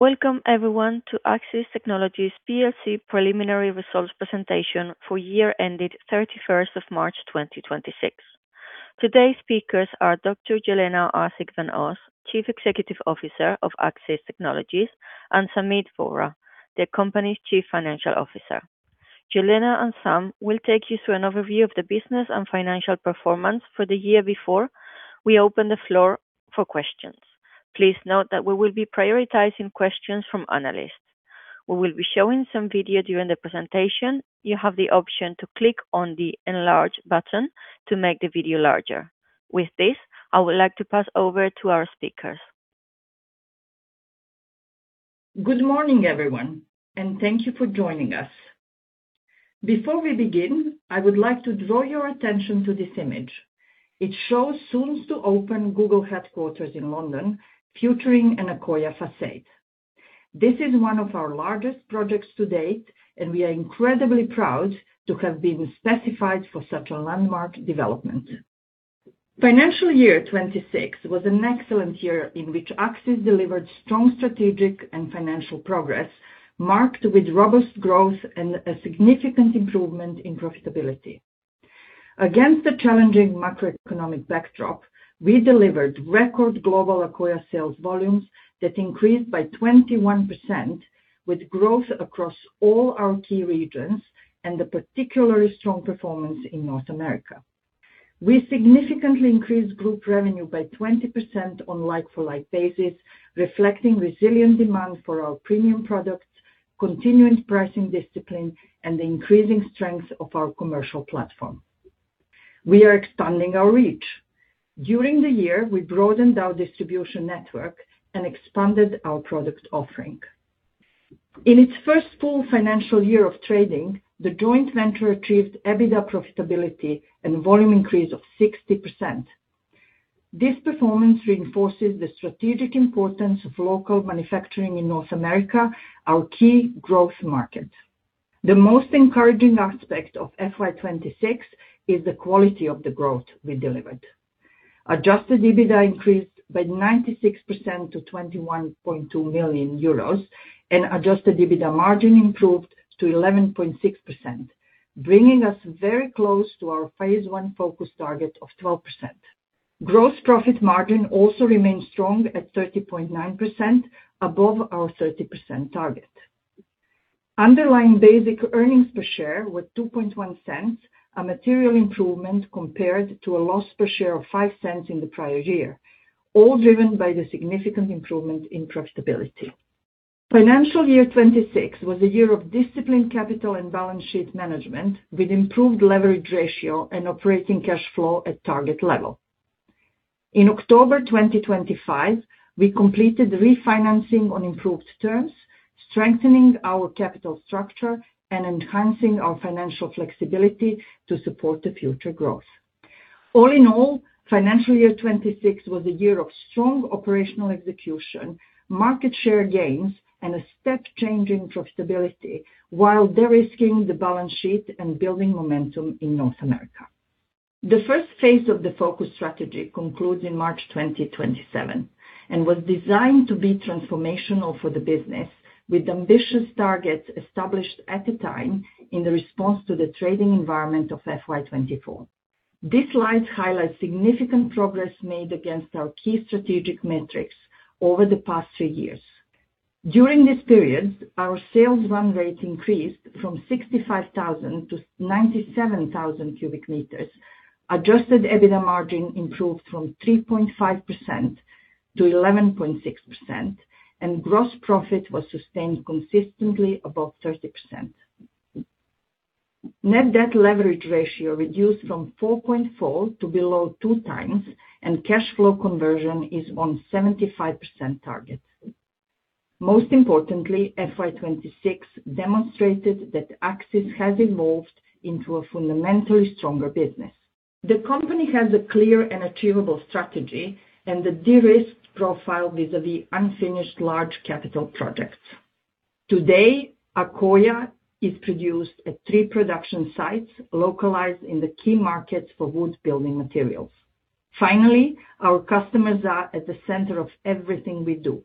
Welcome everyone to Accsys Technologies PLC preliminary results presentation for year ended 31st of March 2026. Today's speakers are Dr. Jelena Arsic van Os, Chief Executive Officer of Accsys Technologies, and Sameet Vohra, the company's Chief Financial Officer. Jelena and Sam will take you through an overview of the business and financial performance for the year before we open the floor for questions. Please note that we will be prioritizing questions from analysts. We will be showing some video during the presentation. You have the option to click on the enlarge button to make the video larger. With this, I would like to pass over to our speakers. Good morning, everyone, and thank you for joining us. Before we begin, I would like to draw your attention to this image. It shows soon-to-open Google headquarters in London, featuring an Accoya facade. This is one of our largest projects to date, and we are incredibly proud to have been specified for such a landmark development. Financial year 2026 was an excellent year in which Accsys delivered strong strategic and financial progress, marked with robust growth and a significant improvement in profitability. Against the challenging macroeconomic backdrop, we delivered record global Accoya sales volumes that increased by 21%, with growth across all our key regions and a particularly strong performance in North America. We significantly increased group revenue by 20% on like-for-like basis, reflecting resilient demand for our premium products, continuing pricing discipline, and the increasing strength of our commercial platform. We are expanding our reach. During the year, we broadened our distribution network and expanded our product offering. In its first full financial year of trading, the joint venture achieved EBITDA profitability and volume increase of 60%. This performance reinforces the strategic importance of local manufacturing in North America, our key growth market. The most encouraging aspect of FY 2026 is the quality of the growth we delivered. Adjusted EBITDA increased by 96% to 21.2 million euros, and adjusted EBITDA margin improved to 11.6%, bringing us very close to our Phase I FOCUS target of 12%. Gross profit margin also remained strong at 30.9%, above our 30% target. Underlying basic earnings per share were 0.021, a material improvement compared to a loss per share of 0.05 in the prior year, all driven by the significant improvement in profitability. Financial year 2026 was a year of disciplined capital and balance sheet management, with improved leverage ratio and operating cash flow at target level. In October 2025, we completed refinancing on improved terms, strengthening our capital structure and enhancing our financial flexibility to support the future growth. All in all, Financial year 2026 was a year of strong operational execution, market share gains, and a step change in profitability while de-risking the balance sheet and building momentum in North America. The first phase of the FOCUS strategy concludes in March 2027 and was designed to be transformational for the business, with ambitious targets established at the time in the response to the trading environment of FY 2024. This slide highlights significant progress made against our key strategic metrics over the past three years. During this period, our sales run rate increased from 65,000 to 97,000 cubic meters. Adjusted EBITDA margin improved from 3.5% to 11.6%, and gross profit was sustained consistently above 30%. Net debt leverage ratio reduced from 4.4 to below 2x, and cash flow conversion is on 75% target. Most importantly, FY 2026 demonstrated that Accsys has evolved into a fundamentally stronger business. The company has a clear and achievable strategy and a de-risked profile vis-à-vis unfinished large capital projects. Today, Accoya is produced at three production sites localized in the key markets for wood building materials. Finally, our customers are at the center of everything we do.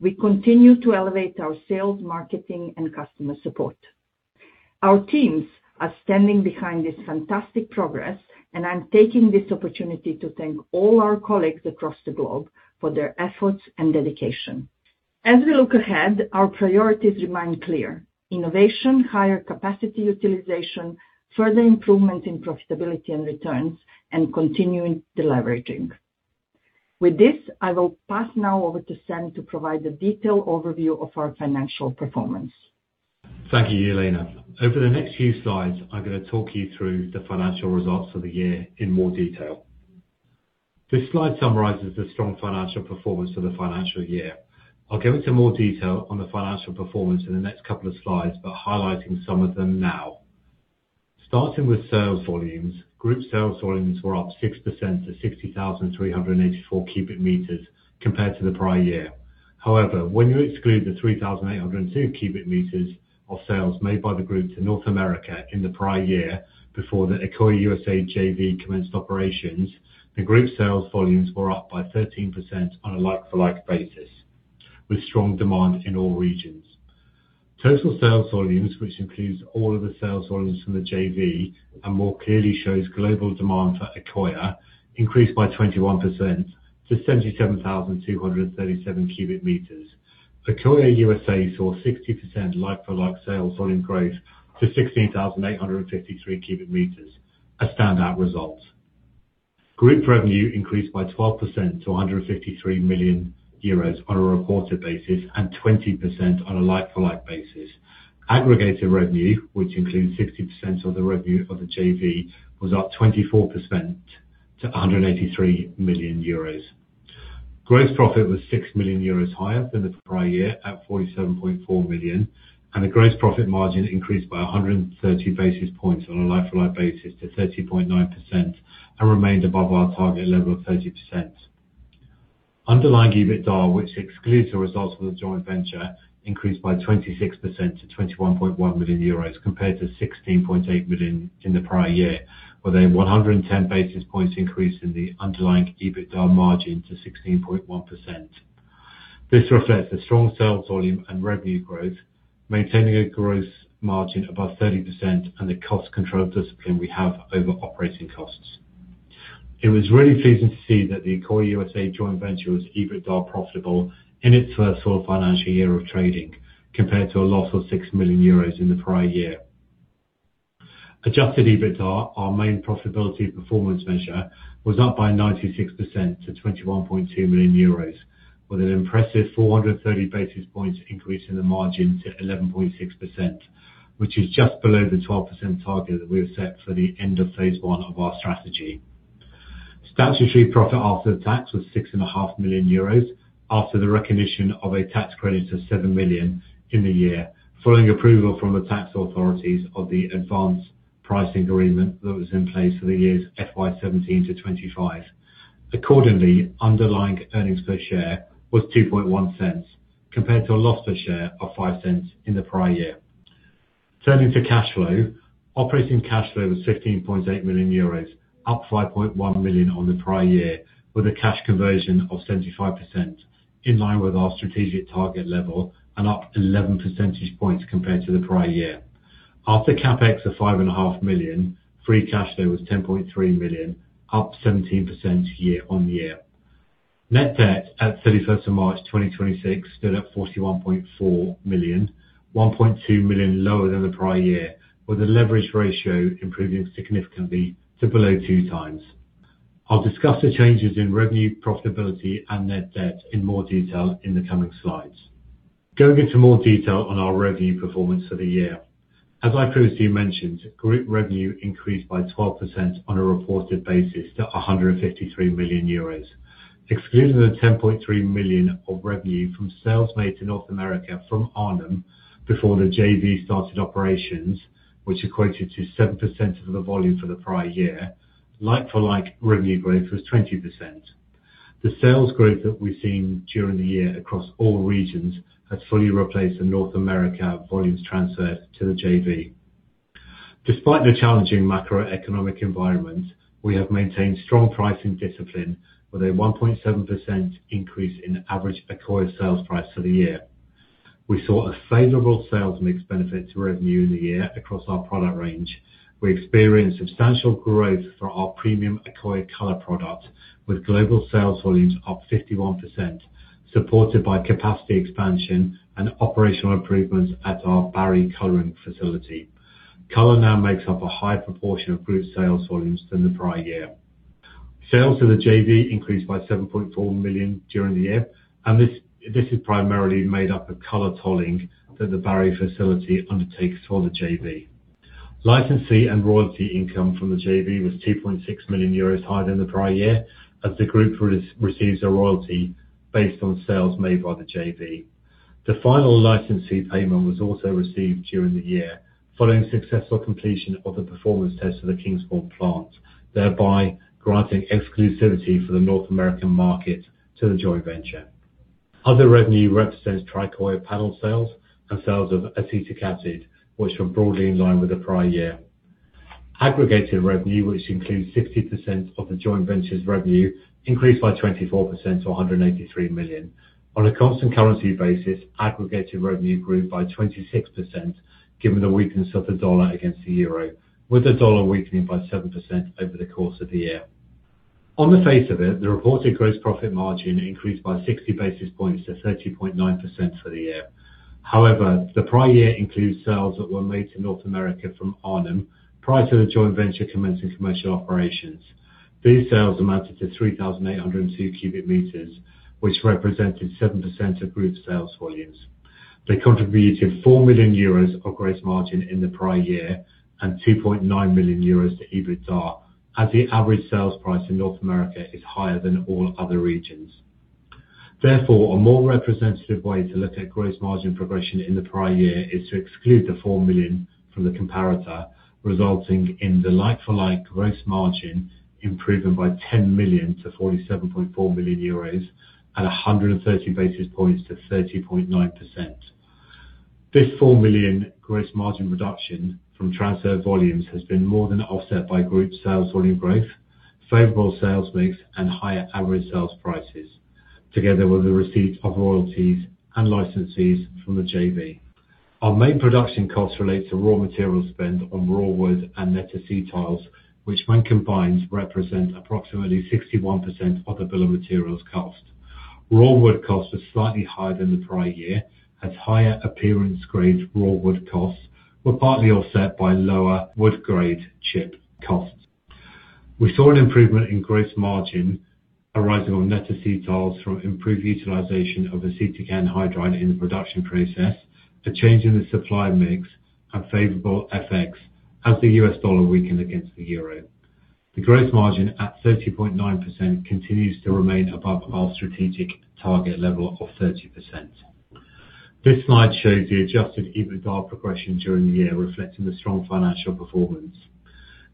We continue to elevate our sales, marketing, and customer support. Our teams are standing behind this fantastic progress, and I am taking this opportunity to thank all our colleagues across the globe for their efforts and dedication. As we look ahead, our priorities remain clear: innovation, higher capacity utilization, further improvement in profitability and returns, and continuing deleveraging. With this, I will pass now over to Sam to provide a detailed overview of our financial performance. Thank you, Jelena. Over the next few slides, I am going to talk you through the financial results for the year in more detail. This slide summarizes the strong financial performance for the financial year. I will go into more detail on the financial performance in the next couple of slides, but highlighting some of them now. Starting with sales volumes. Group sales volumes were up 6% to 60,384 cubic meters compared to the prior year. When you exclude the 3,802 cubic meters of sales made by the group to North America in the prior year before the Accoya USA JV commenced operations, the group sales volumes were up by 13% on a like-for-like basis, with strong demand in all regions. Total sales volumes, which includes all of the sales volumes from the JV and more clearly shows global demand for Accoya, increased by 21% to 77,237 cubic meters. Accoya USA saw 60% like-for-like sales volume growth to 16,853 cubic meters. A standout result. Group revenue increased by 12% to 153 million euros on a reported basis and 20% on a like-for-like basis. Aggregated revenue, which includes 60% of the revenue of the JV, was up 24% to 183 million euros. Gross profit was 6 million euros higher than the prior year at 47.4 million, and the gross profit margin increased by 130 basis points on a like-for-like basis to 30.9% and remained above our target level of 30%. Underlying EBITDA, which excludes the results from the joint venture, increased by 26% to 21.1 million euros compared to 16.8 million in the prior year, with a 110 basis points increase in the underlying EBITDA margin to 16.1%. This reflects the strong sales volume and revenue growth, maintaining a gross margin above 30% and the cost control discipline we have over operating costs. It was really pleasing to see that the Accoya USA joint venture was EBITDA profitable in its first full financial year of trading, compared to a loss of 6 million euros in the prior year. Adjusted EBITDA, our main profitability performance measure, was up by 96% to 21.2 million euros, with an impressive 430 basis points increase in the margin to 11.6%, which is just below the 12% target that we have set for the end of Phase I of our strategy. Statutory profit after tax was 6.5 million euros after the recognition of a tax credit of 7 million in the year following approval from the tax authorities of the advanced pricing agreement that was in place for the years FY 2017 to 2025. Accordingly, underlying earnings per share was 0.021 compared to a loss per share of 0.05 in the prior year. Turning to cash flow, operating cash flow was 15.8 million euros, up 5.1 million on the prior year, with a cash conversion of 75%, in line with our strategic target level and up 11 percentage points compared to the prior year. After CapEx of 5.5 million, free cash flow was 10.3 million, up 17% year-on-year. Net debt at 31st of March 2026 stood at 41.4 million, 1.2 million lower than the prior year, with the leverage ratio improving significantly to below 2x. I'll discuss the changes in revenue, profitability, and net debt in more detail in the coming slides. Going into more detail on our revenue performance for the year. As I previously mentioned, group revenue increased by 12% on a reported basis to 153 million euros. Excluding the 10.3 million of revenue from sales made to North America from Arnhem before the JV started operations, which equated to 7% of the volume for the prior year, like-for-like revenue growth was 20%. The sales growth that we've seen during the year across all regions has fully replaced the North America volumes transferred to the JV. Despite the challenging macroeconomic environment, we have maintained strong pricing discipline with a 1.7% increase in average Accoya sales price for the year. We saw a favorable sales mix benefit to revenue in the year across our product range. We experienced substantial growth for our premium Accoya Color product, with global sales volumes up 51%, supported by capacity expansion and operational improvements at our Barry coloring facility. Color now makes up a higher proportion of group sales volumes than the prior year. Sales to the JV increased by 7.4 million during the year, and this is primarily made up of Color tolling that the Barry facility undertakes for the JV. Licensee and royalty income from the JV was 2.6 million euros higher than the prior year, as the group receives a royalty based on sales made by the JV. The final licensee payment was also received during the year following successful completion of the performance test of the Kingsport plant, thereby granting exclusivity for the North American market to the joint venture. Other revenue represents Tricoya panel sales and sales of acetic acid, which were broadly in line with the prior year. Aggregated revenue, which includes 60% of the joint venture's revenue, increased by 24% to 183 million. On a constant currency basis, aggregated revenue grew by 26%, given the weakness of the U.S. dollar against the euro, with the U.S. dollar weakening by 7% over the course of the year. On the face of it, the reported gross profit margin increased by 60 basis points to 30.9% for the year. However, the prior year includes sales that were made to North America from Arnhem prior to the joint venture commencing commercial operations. These sales amounted to 3,802 cubic meters, which represented 7% of group sales volumes. They contributed 4 million euros of gross margin in the prior year and 2.9 million euros to EBITDA, as the average sales price in North America is higher than all other regions. A more representative way to look at gross margin progression in the prior year is to exclude the 4 million from the comparator, resulting in the like-for-like gross margin improving by 10 million to 47.4 million euros at 130 basis points to 30.9%. This 4 million gross margin reduction from transferred volumes has been more than offset by group sales volume growth, favorable sales mix and higher average sales prices, together with the receipt of royalties and licensees from the JV. Our main production costs relate to raw material spend on raw wood and acetyls, which, when combined, represent approximately 61% of the bill of materials cost. Raw wood costs are slightly higher than the prior year, as higher appearance-grade raw wood costs were partly offset by lower wood-grade chip costs. We saw an improvement in gross margin arising on net acetyls from improved utilization of acetic anhydride in the production process, a change in the supply mix and favorable FX as the U.S. dollar weakened against the euro. The gross margin at 30.9% continues to remain above our strategic target level of 30%. This slide shows the adjusted EBITDA progression during the year, reflecting the strong financial performance.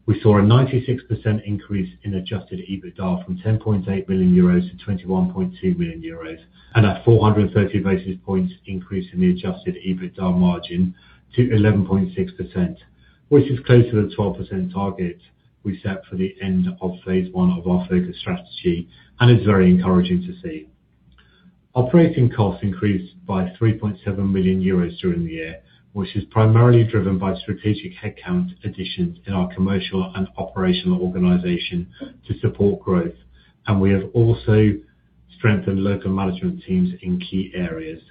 We saw a 96% increase in adjusted EBITDA from 10.8 million euros to 21.2 million euros, and a 430 basis points increase in the adjusted EBITDA margin to 11.6%, which is closer to the 12% target we set for the end of Phase I of our FOCUS strategy, and it's very encouraging to see. Operating costs increased by 3.7 million euros during the year, which is primarily driven by strategic headcount additions in our commercial and operational organization to support growth, and we have also strengthened local management teams in key areas.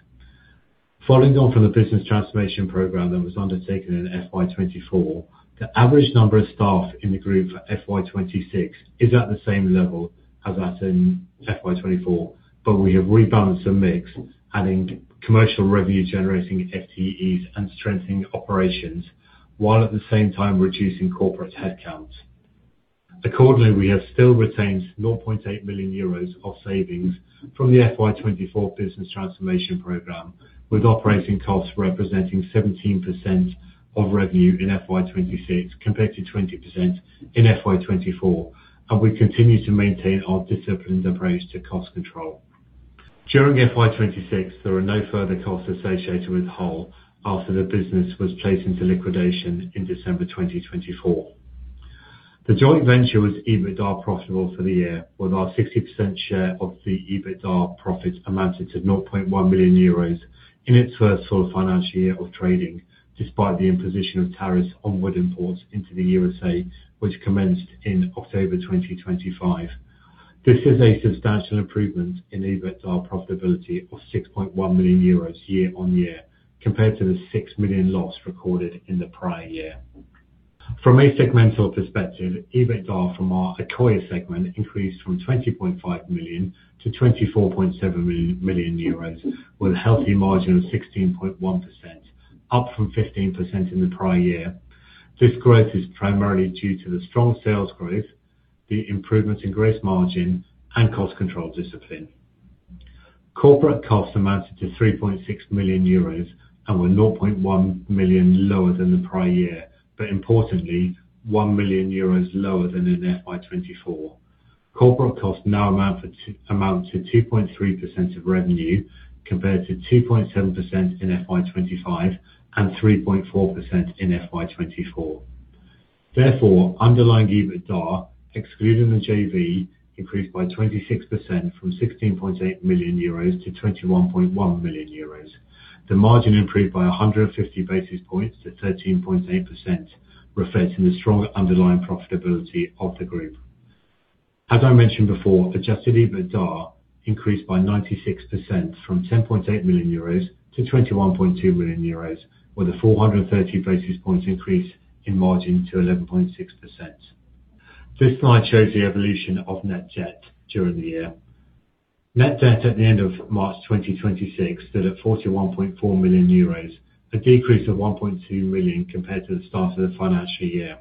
Following on from the business transformation program that was undertaken in FY 2024, the average number of staff in the group for FY 2026 is at the same level as that in FY 2024, but we have rebalanced the mix, adding commercial revenue-generating FTEs and strengthening operations, while at the same time reducing corporate headcounts. We have still retained 0.8 million euros of savings from the FY 2024 business transformation program, with operating costs representing 17% of revenue in FY 2026 compared to 20% in FY 2024, and we continue to maintain our disciplined approach to cost control. During FY 2026, there were no further costs associated with Hull after the business was placed into liquidation in December 2024. The joint venture was EBITDA profitable for the year, with our 60% share of the EBITDA profits amounting to 0.1 million euros in its first full financial year of trading, despite the imposition of tariffs on wood imports into the U.S.A., which commenced in October 2025. This is a substantial improvement in EBITDA profitability of 6.1 million euros year-on-year, compared to the 6 million loss recorded in the prior year. From a segmental perspective, EBITDA from our Accoya segment increased from 20.5 million to 24.7 million euros, with a healthy margin of 16.1%, up from 15% in the prior year. This growth is primarily due to the strong sales growth, the improvement in gross margin, and cost control discipline. Corporate costs amounted to 3.6 million euros and were 0.1 million lower than the prior year, but importantly, 1 million euros lower than in FY 2024. Corporate costs now amount to 2.3% of revenue, compared to 2.7% in FY 2025 and 3.4% in FY 2024. Therefore, underlying EBITDA, excluding the JV, increased by 26% from 16.8 million euros to 21.1 million euros. The margin improved by 150 basis points to 13.8%, reflecting the stronger underlying profitability of the group. As I mentioned before, adjusted EBITDA increased by 96%, from 10.8 million euros to 21.2 million euros, with a 430 basis points increase in margin to 11.6%. This slide shows the evolution of net debt during the year. Net debt at the end of March 2026 stood at 41.4 million euros, a decrease of 1.2 million compared to the start of the financial year.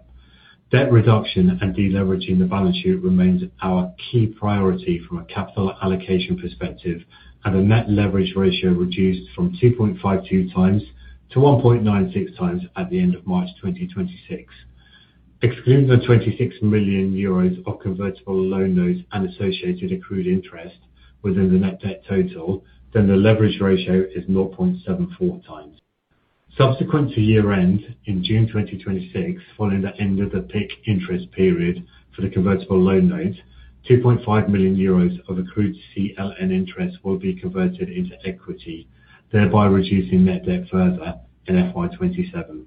Debt reduction and deleveraging the balance sheet remains our key priority from a capital allocation perspective, and the net leverage ratio reduced from 2.52x to 1.96x at the end of March 2026. Excluding the 26 million euros of convertible loan notes and associated accrued interest within the net debt total, then the leverage ratio is 0.74x. Subsequent to year-end in June 2026, following the end of the PIK interest period for the convertible loan note, 2.5 million euros of accrued CLN interest will be converted into equity, thereby reducing net debt further in FY 2027.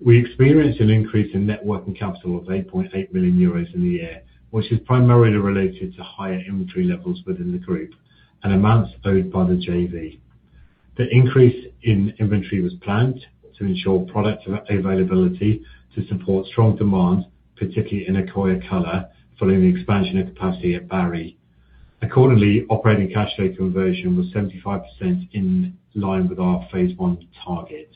We experienced an increase in net working capital of 8.8 million euros in the year, which is primarily related to higher inventory levels within the group and amounts owed by the JV. The increase in inventory was planned to ensure product availability to support strong demand, particularly in Accoya Color, following the expansion of capacity at Barry. Accordingly, operating cash flow conversion was 75% in line with our Phase I target.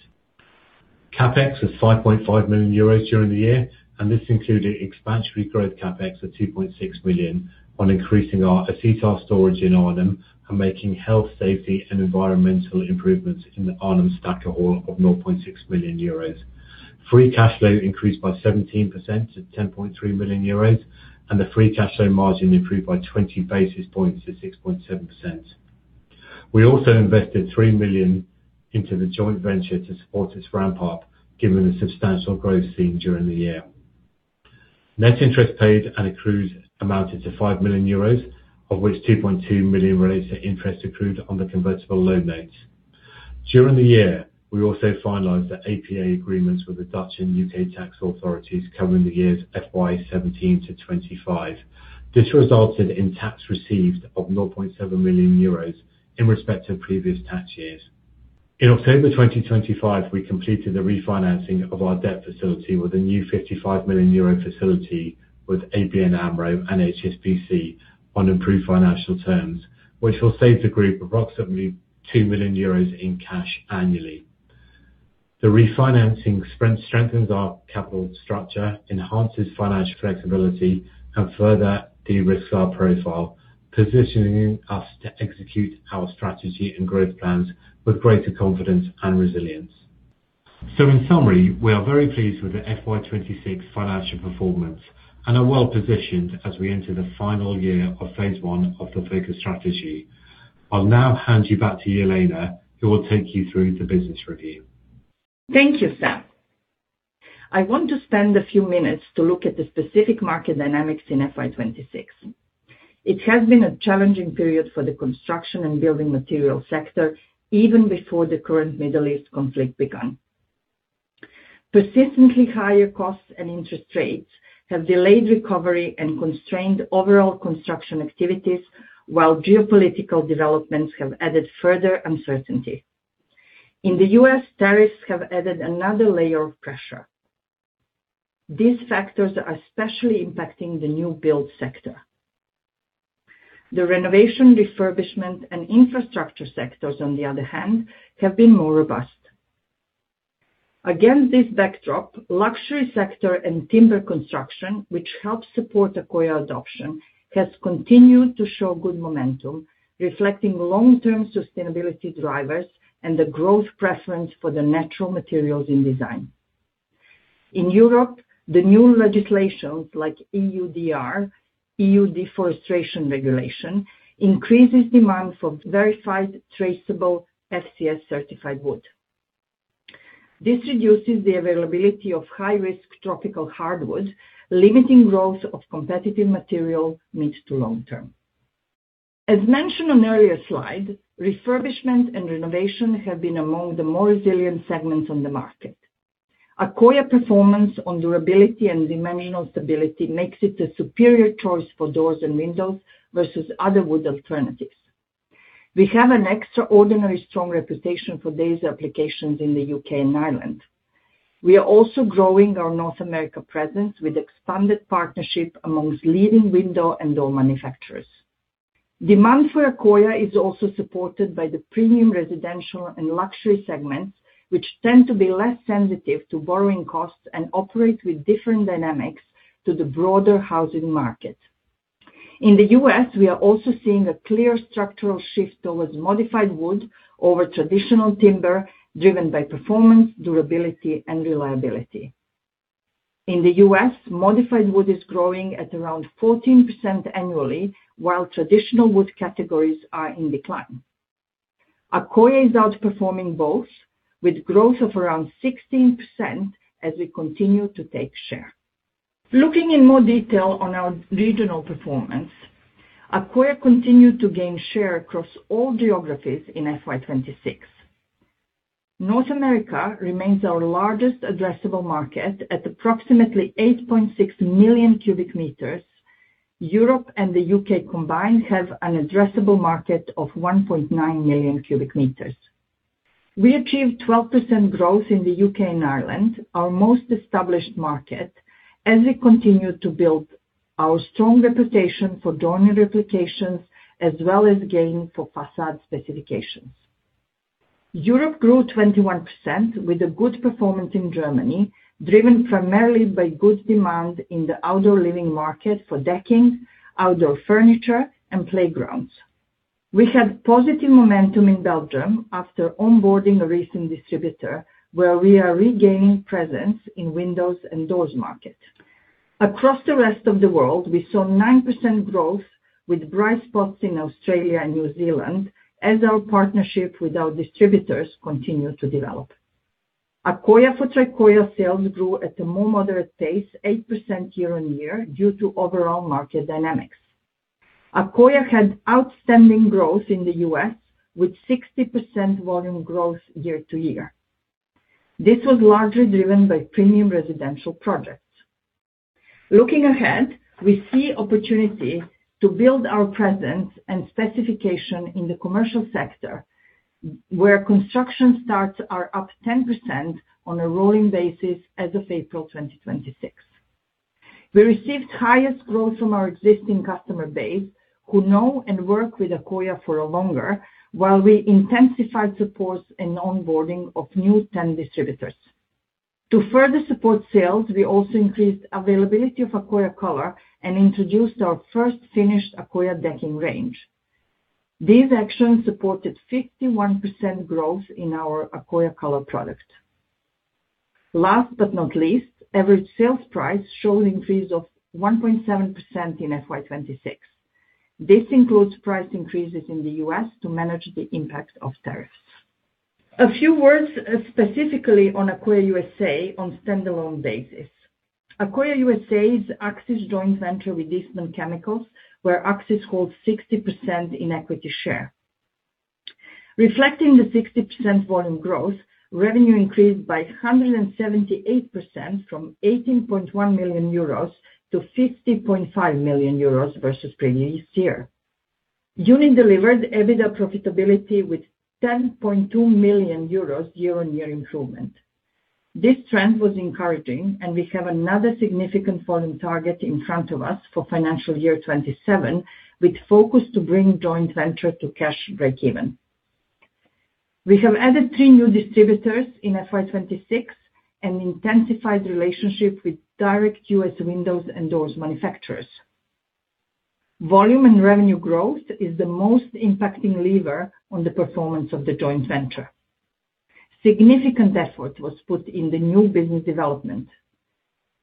CapEx was 5.5 million euros during the year, and this included expansionary growth CapEx of 2.6 million on increasing our acetyl storage in Arnhem and making health, safety, and environmental improvements in the Arnhem stacker hall of 0.6 million euros. Free cash flow increased by 17% to 10.3 million euros, and the free cash flow margin improved by 20 basis points to 6.7%. We also invested 3 million into the joint venture to support its ramp-up, given the substantial growth seen during the year. Net interest paid and accrued amounted to 5 million euros, of which 2.2 million relates to interest accrued on the convertible loan notes. During the year, we also finalized the APA agreements with the Dutch and U.K. tax authorities covering the years FY 2017 to 2025. This resulted in tax received of 0.7 million euros in respect of previous tax years. In October 2025, we completed the refinancing of our debt facility with a new 55 million euro facility with ABN AMRO and HSBC on improved financial terms, which will save the group approximately 2 million euros in cash annually. The refinancing strengthens our capital structure, enhances financial flexibility, and further de-risks our profile, positioning us to execute our strategy and growth plans with greater confidence and resilience. In summary, we are very pleased with the FY 2026 financial performance and are well-positioned as we enter the final year of Phase I of the FOCUS strategy. I'll now hand you back to Jelena, who will take you through the business review. Thank you, Sam. I want to spend a few minutes to look at the specific market dynamics in FY 2026. It has been a challenging period for the construction and building material sector, even before the current Middle East conflict began. Persistently higher costs and interest rates have delayed recovery and constrained overall construction activities, while geopolitical developments have added further uncertainty. In the U.S., tariffs have added another layer of pressure. These factors are especially impacting the new build sector. The renovation, refurbishment, and infrastructure sectors, on the other hand, have been more robust. Against this backdrop, luxury sector and timber construction, which helps support Accoya adoption, has continued to show good momentum, reflecting long-term sustainability drivers and the growth preference for the natural materials in design. In Europe, the new legislations like EUDR, EU Deforestation Regulation, increases demand for verified, traceable, FSC-certified wood. This reduces the availability of high-risk tropical hardwood, limiting growth of competitive material mid to long term. As mentioned on earlier slide, refurbishment and renovation have been among the more resilient segments on the market. Accoya performance on durability and dimensional stability makes it a superior choice for doors and windows versus other wood alternatives. We have an extraordinary strong reputation for these applications in the U.K. and Ireland. We are also growing our North America presence with expanded partnership amongst leading window and door manufacturers. Demand for Accoya is also supported by the premium residential and luxury segments, which tend to be less sensitive to borrowing costs and operate with different dynamics to the broader housing market. In the U.S., we are also seeing a clear structural shift towards modified wood over traditional timber, driven by performance, durability, and reliability. In the U.S., modified wood is growing at around 14% annually, while traditional wood categories are in decline. Accoya is outperforming both, with growth of around 16% as we continue to take share. Looking in more detail on our regional performance, Accoya continued to gain share across all geographies in FY 2026. North America remains our largest addressable market at approximately 8.6 million cubic meters. Europe and the U.K. combined have an addressable market of 1.9 million cubic meters. We achieved 12% growth in the U.K. and Ireland, our most established market, as we continued to build our strong reputation for door applications as well as gain for facade specifications. Europe grew 21% with a good performance in Germany, driven primarily by good demand in the outdoor living market for decking, outdoor furniture, and playgrounds. We had positive momentum in Belgium after onboarding a recent distributor, where we are regaining presence in windows and doors market. Across the rest of the world, we saw 9% growth with bright spots in Australia and New Zealand as our partnership with our distributors continued to develop. Accoya for Tricoya sales grew at a more moderate pace, 8% year-on-year, due to overall market dynamics. Accoya had outstanding growth in the U.S., with 60% volume growth year-to-year. This was largely driven by premium residential projects. Looking ahead, we see opportunity to build our presence and specification in the commercial sector, where construction starts are up 10% on a rolling basis as of April 2026. We received highest growth from our existing customer base, who know and work with Accoya for longer, while we intensified support and onboarding of new 10 distributors. To further support sales, we also increased availability of Accoya Color and introduced our first finished Accoya decking range. These actions supported 51% growth in our Accoya Color product. Last but not least, average sales price showed increase of 1.7% in FY 2026. This includes price increases in the U.S. to manage the impact of tariffs. A few words specifically on Accoya USA on standalone basis. Accoya USA is Accsys' joint venture with Eastman Chemical, where Accsys holds 60% in equity share. Reflecting the 60% volume growth, revenue increased by 178% from 18.1 million euros to 50.5 million euros versus previous year. JV delivered EBITDA profitability with 10.2 million euros year-on-year improvement. This trend was encouraging, and we have another significant volume target in front of us for financial year 2027, with focus to bring joint venture to cash breakeven. We have added three new distributors in FY 2026 and intensified relationship with direct U.S. windows and doors manufacturers. Volume and revenue growth is the most impacting lever on the performance of the joint venture. Significant effort was put in the new business development.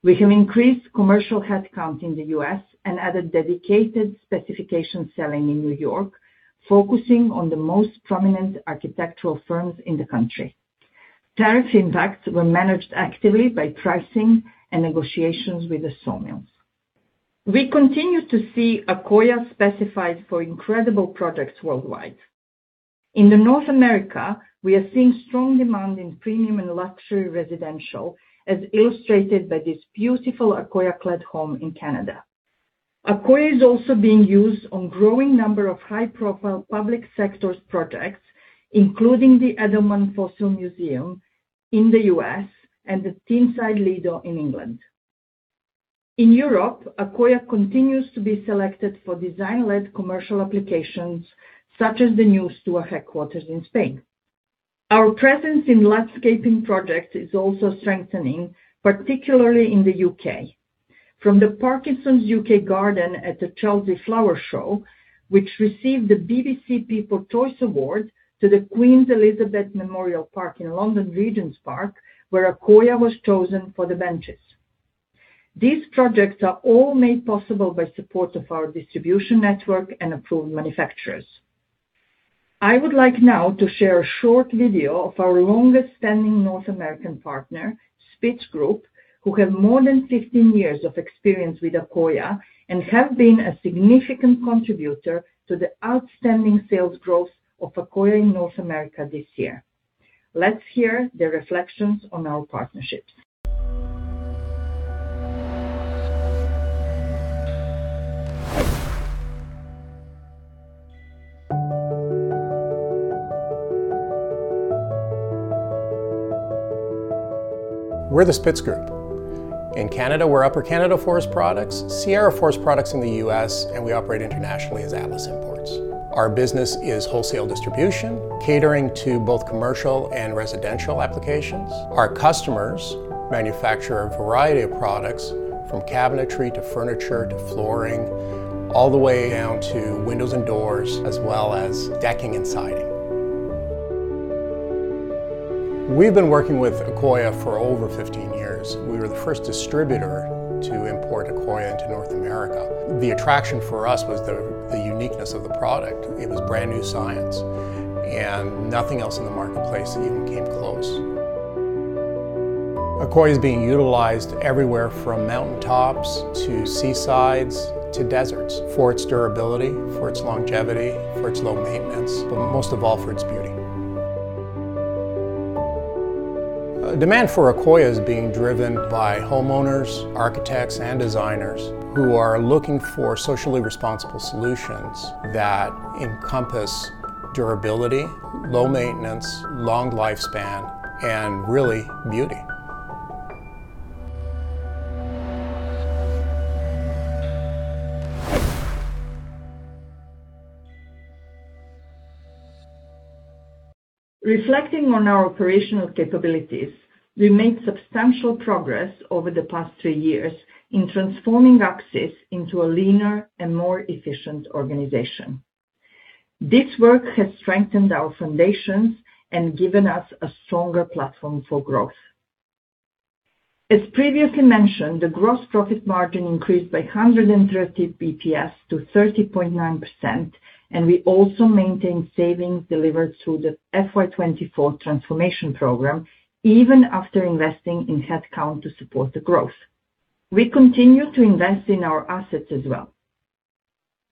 We have increased commercial headcount in the U.S. and added dedicated specification selling in New York, focusing on the most prominent architectural firms in the country. Tariff impacts were managed actively by pricing and negotiations with the sawmills. We continue to see Accoya specified for incredible projects worldwide. In the North America, we are seeing strong demand in premium and luxury residential, as illustrated by this beautiful Accoya-clad home in Canada. Accoya is also being used on growing number of high-profile public sectors projects, including the Edelman Fossil Museum in the U.S. and the Tinside Lido in England. In Europe, Accoya continues to be selected for design-led commercial applications, such as the new STUA headquarters in Spain. Our presence in landscaping projects is also strengthening, particularly in the U.K. From the Parkinson's UK garden at the Chelsea Flower Show, which received the BBC People's Choice Award, to the Queen Elizabeth Memorial Park in London's Regent's Park, where Accoya was chosen for the benches. These projects are all made possible by support of our distribution network and approved manufacturers. I would like now to share a short video of our longest-standing North American partner, Spitz Group, who have more than 15 years of experience with Accoya and have been a significant contributor to the outstanding sales growth of Accoya in North America this year. Let's hear their reflections on our partnerships. We're the Spitz Group. In Canada, we're Upper Canada Forest Products, Sierra Forest Products in the U.S., and we operate internationally as Atlas Imports. Our business is wholesale distribution, catering to both commercial and residential applications. Our customers manufacture a variety of products from cabinetry, to furniture to flooring, all the way down to windows and doors, as well as decking and siding. We've been working with Accoya for over 15 years. We were the first distributor to import Accoya into North America. The attraction for us was the uniqueness of the product. It was brand-new science. Nothing else in the marketplace even came close. Accoya is being utilized everywhere from mountaintops to seasides to deserts for its durability, for its longevity, for its low maintenance, most of all for its beauty. Demand for Accoya is being driven by homeowners, architects, and designers who are looking for socially responsible solutions that encompass durability, low maintenance, long lifespan, really beauty. Reflecting on our operational capabilities, we made substantial progress over the past two years in transforming Accsys into a leaner and more efficient organization. This work has strengthened our foundations and given us a stronger platform for growth. As previously mentioned, the gross profit margin increased by 130 basis points to 30.9%. We also maintained savings delivered through the FY 2024 transformation program, even after investing in headcount to support the growth. We continue to invest in our assets as well.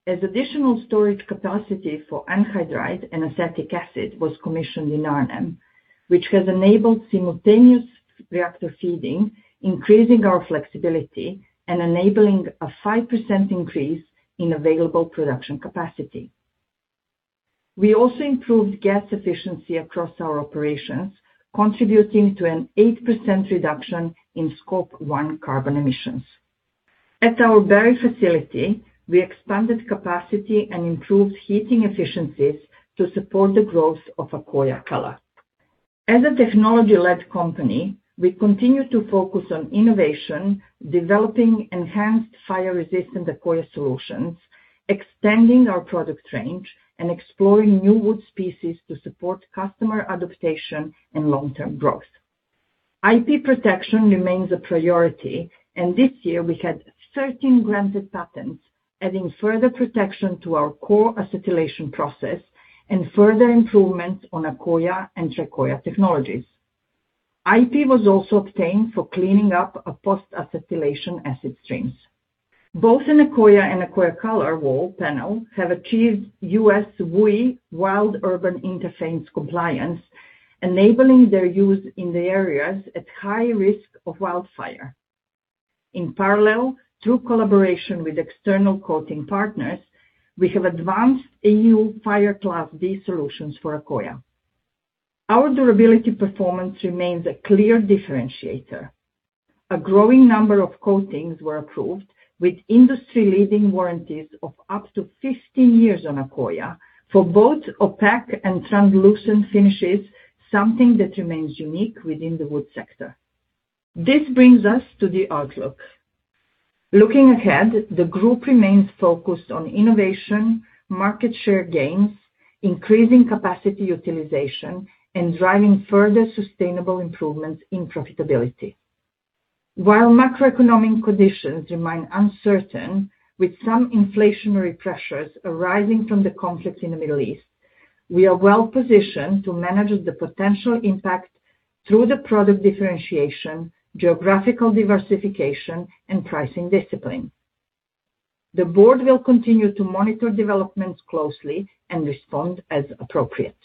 As additional storage capacity for acetic anhydride and acetic acid was commissioned in Arnhem, which has enabled simultaneous reactor feeding, increasing our flexibility and enabling a 5% increase in available production capacity. We also improved gas efficiency across our operations, contributing to an 8% reduction in Scope 1 carbon emissions. At our Barry facility, we expanded capacity and improved heating efficiencies to support the growth of Accoya Color. As a technology-led company, we continue to focus on innovation, developing enhanced fire-resistant Accoya solutions, extending our product range and exploring new wood species to support customer adaptation and long-term growth. IP protection remains a priority. This year, we had 13 granted patents, adding further protection to our core acetylation process and further improvements on Accoya and Tricoya technologies. IP was also obtained for cleaning up of post-acetylation acid streams. Both in Accoya and Accoya Color wall panel have achieved U.S. WUI, Wildland-Urban Interface compliance, enabling their use in the areas at high risk of wildfire. In parallel, through collaboration with external coating partners, we have advanced EU fire class D solutions for Accoya. Our durability performance remains a clear differentiator. A growing number of coatings were approved with industry-leading warranties of up to 15 years on Accoya for both opaque and translucent finishes, something that remains unique within the wood sector. This brings us to the outlook. Looking ahead, the group remains focused on innovation, market share gains, increasing capacity utilization, and driving further sustainable improvements in profitability. While macroeconomic conditions remain uncertain, with some inflationary pressures arising from the conflicts in the Middle East, we are well-positioned to manage the potential impact through the product differentiation, geographical diversification and pricing discipline. The board will continue to monitor developments closely and respond as appropriate.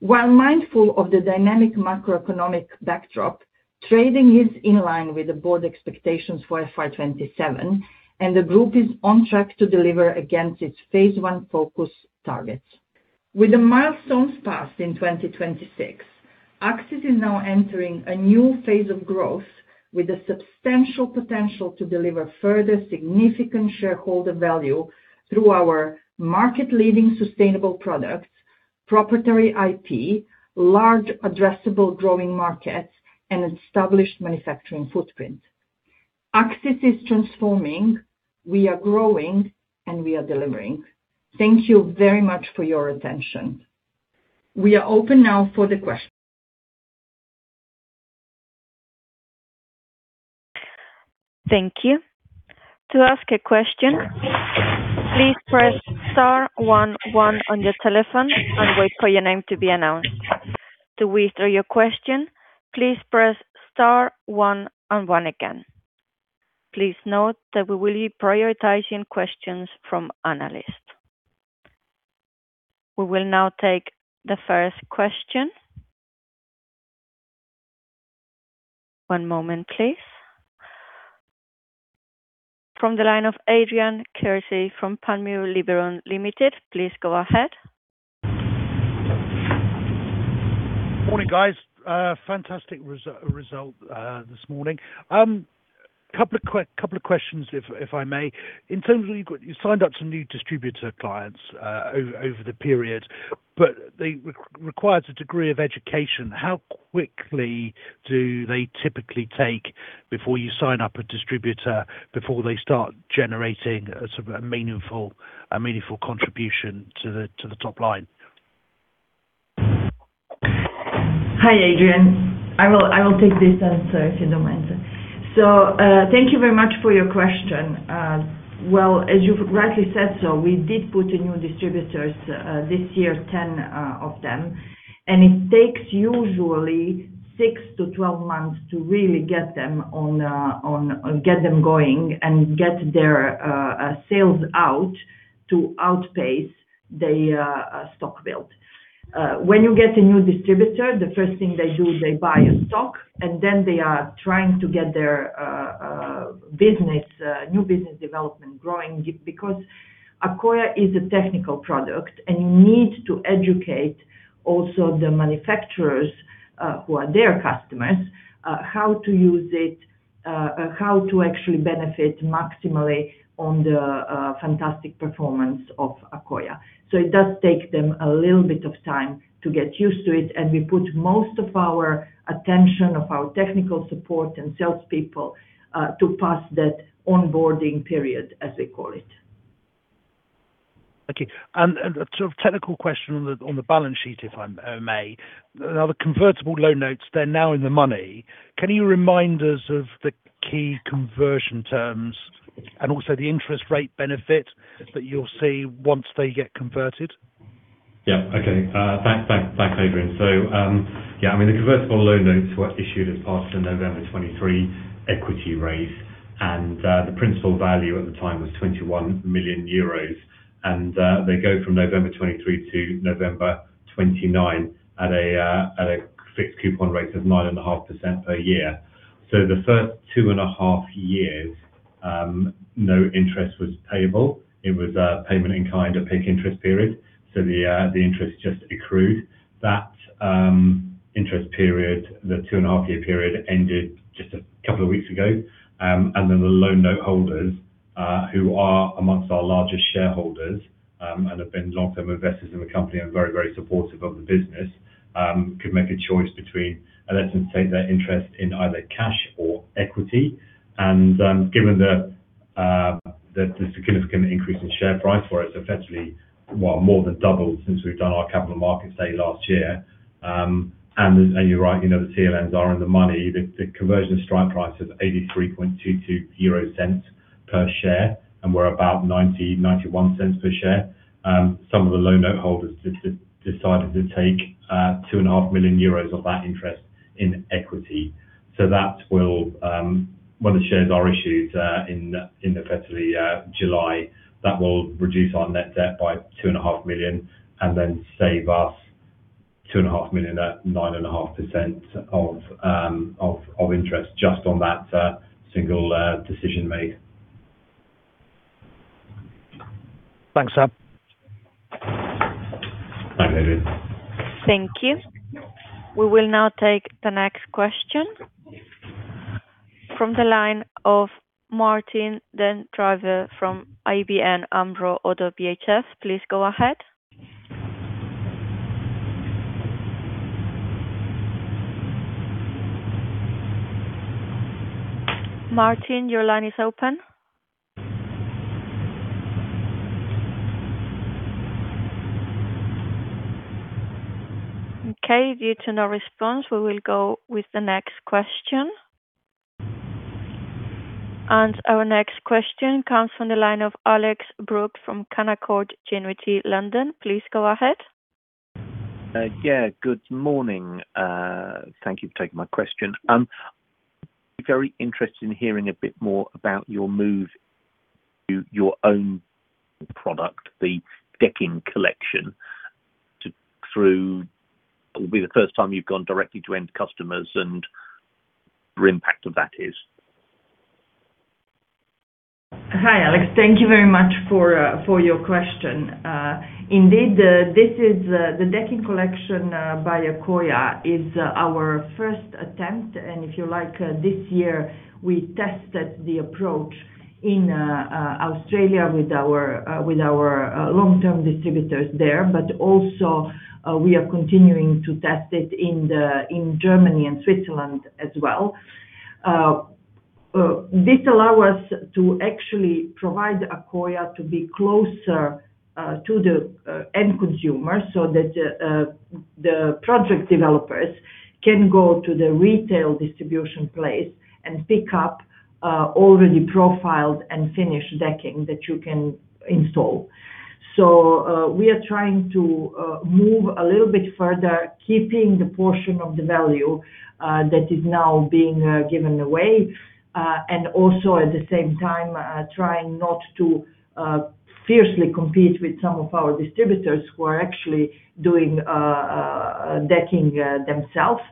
While mindful of the dynamic macroeconomic backdrop, trading is in line with the board expectations for FY 2027, and the group is on track to deliver against its Phase I FOCUS targets. With the milestones passed in 2026, Accsys is now entering a new phase of growth, with a substantial potential to deliver further significant shareholder value through our market-leading sustainable products, proprietary IP, large addressable growing markets, and established manufacturing footprint. Accsys is transforming, we are growing, and we are delivering. Thank you very much for your attention. We are open now for the question. Thank you. To ask a question, please press star one one on your telephone and wait for your name to be announced. To withdraw your question, please press star one and one again. Please note that we will be prioritizing questions from analysts. We will now take the first question. One moment, please. From the line of Adrian Kearsey from Panmure Liberum Limited. Please go ahead. Morning, guys. Fantastic result this morning. A couple of questions, if I may. In terms of you signed up some new distributor clients over the period, they required a degree of education. How quickly do they typically take before you sign up a distributor, before they start generating a meaningful contribution to the top line? Hi, Adrian. I will take this answer, if you don't mind. Thank you very much for your question. As you've rightly said, we did put in new distributors this year, 10 of them, and it takes usually 6 to 12 months to really get them going and get their sales out to outpace the stock build. When you get a new distributor, the first thing they do is they buy a stock. Then they are trying to get their new business development growing because Accoya is a technical product. You need to educate also the manufacturers, who are their customers how to use it, how to actually benefit maximally on the fantastic performance of Accoya. It does take them a little bit of time to get used to it. We put most of our attention of our technical support and salespeople to pass that onboarding period, as they call it. Okay. A sort of technical question on the balance sheet, if I may. The convertible loan notes, they are now in the money. Can you remind us of the key conversion terms and also the interest rate benefit that you will see once they get converted? Yeah. Okay. Thanks, Adrian. The convertible loan notes were issued as part of the November 2023 equity raise, and the principal value at the time was 21 million euros. They go from November 2023 to November 2029 at a fixed coupon rate of 9.5% per year. The first 2.5 years, no interest was payable. It was a payment in kind, a PIK interest period, so the interest just accrued. That interest period, the 2.5-year period, ended just a couple of weeks ago. Then the loan note holders, who are amongst our largest shareholders, and have been long-term investors in the company and very, very supportive of the business, could make a choice between letting us take their interest in either cash or equity. Given there's a significant increase in share price for us, effectively more than doubled since we've done our capital market sale last year. You're right, the CLNs are in the money. The conversion strike price is 0.8322 per share, and we're about 0.90, 0.91 per share. Some of the loan note holders decided to take 2.5 million euros of that interest in equity. So when the shares are issued in effectively July, that will reduce our net debt by 2.5 million and then save us 2.5 million at 9.5% of interest just on that single decision made. Thanks, Sam. Bye. Thank you. We will now take the next question from the line of Martijn den Drijver from ABN AMRO ODDO BHF. Please go ahead. Martijn, your line is open. Okay. Due to no response, we will go with the next question. Our next question comes from the line of Alex Brooks from Canaccord Genuity, London. Please go ahead. Yeah. Good morning. Thank you for taking my question. Very interested in hearing a bit more about your move to your own product, the decking collection, through will be the first time you've gone directly to end customers and what the impact of that is. Hi, Alex. Thank you very much for your question. Indeed, the decking collection by Accoya is our first attempt, and if you like, this year we tested the approach in Australia with our long-term distributors there; also, we are continuing to test it in Germany and Switzerland as well. This allow us to actually provide Accoya to be closer to the end consumer so that the project developers can go to the retail distribution place and pick up already profiled and finished decking that you can install. We are trying to move a little bit further, keeping the portion of the value that is now being given away. Also, at the same time, trying not to fiercely compete with some of our distributors who are actually doing decking themselves.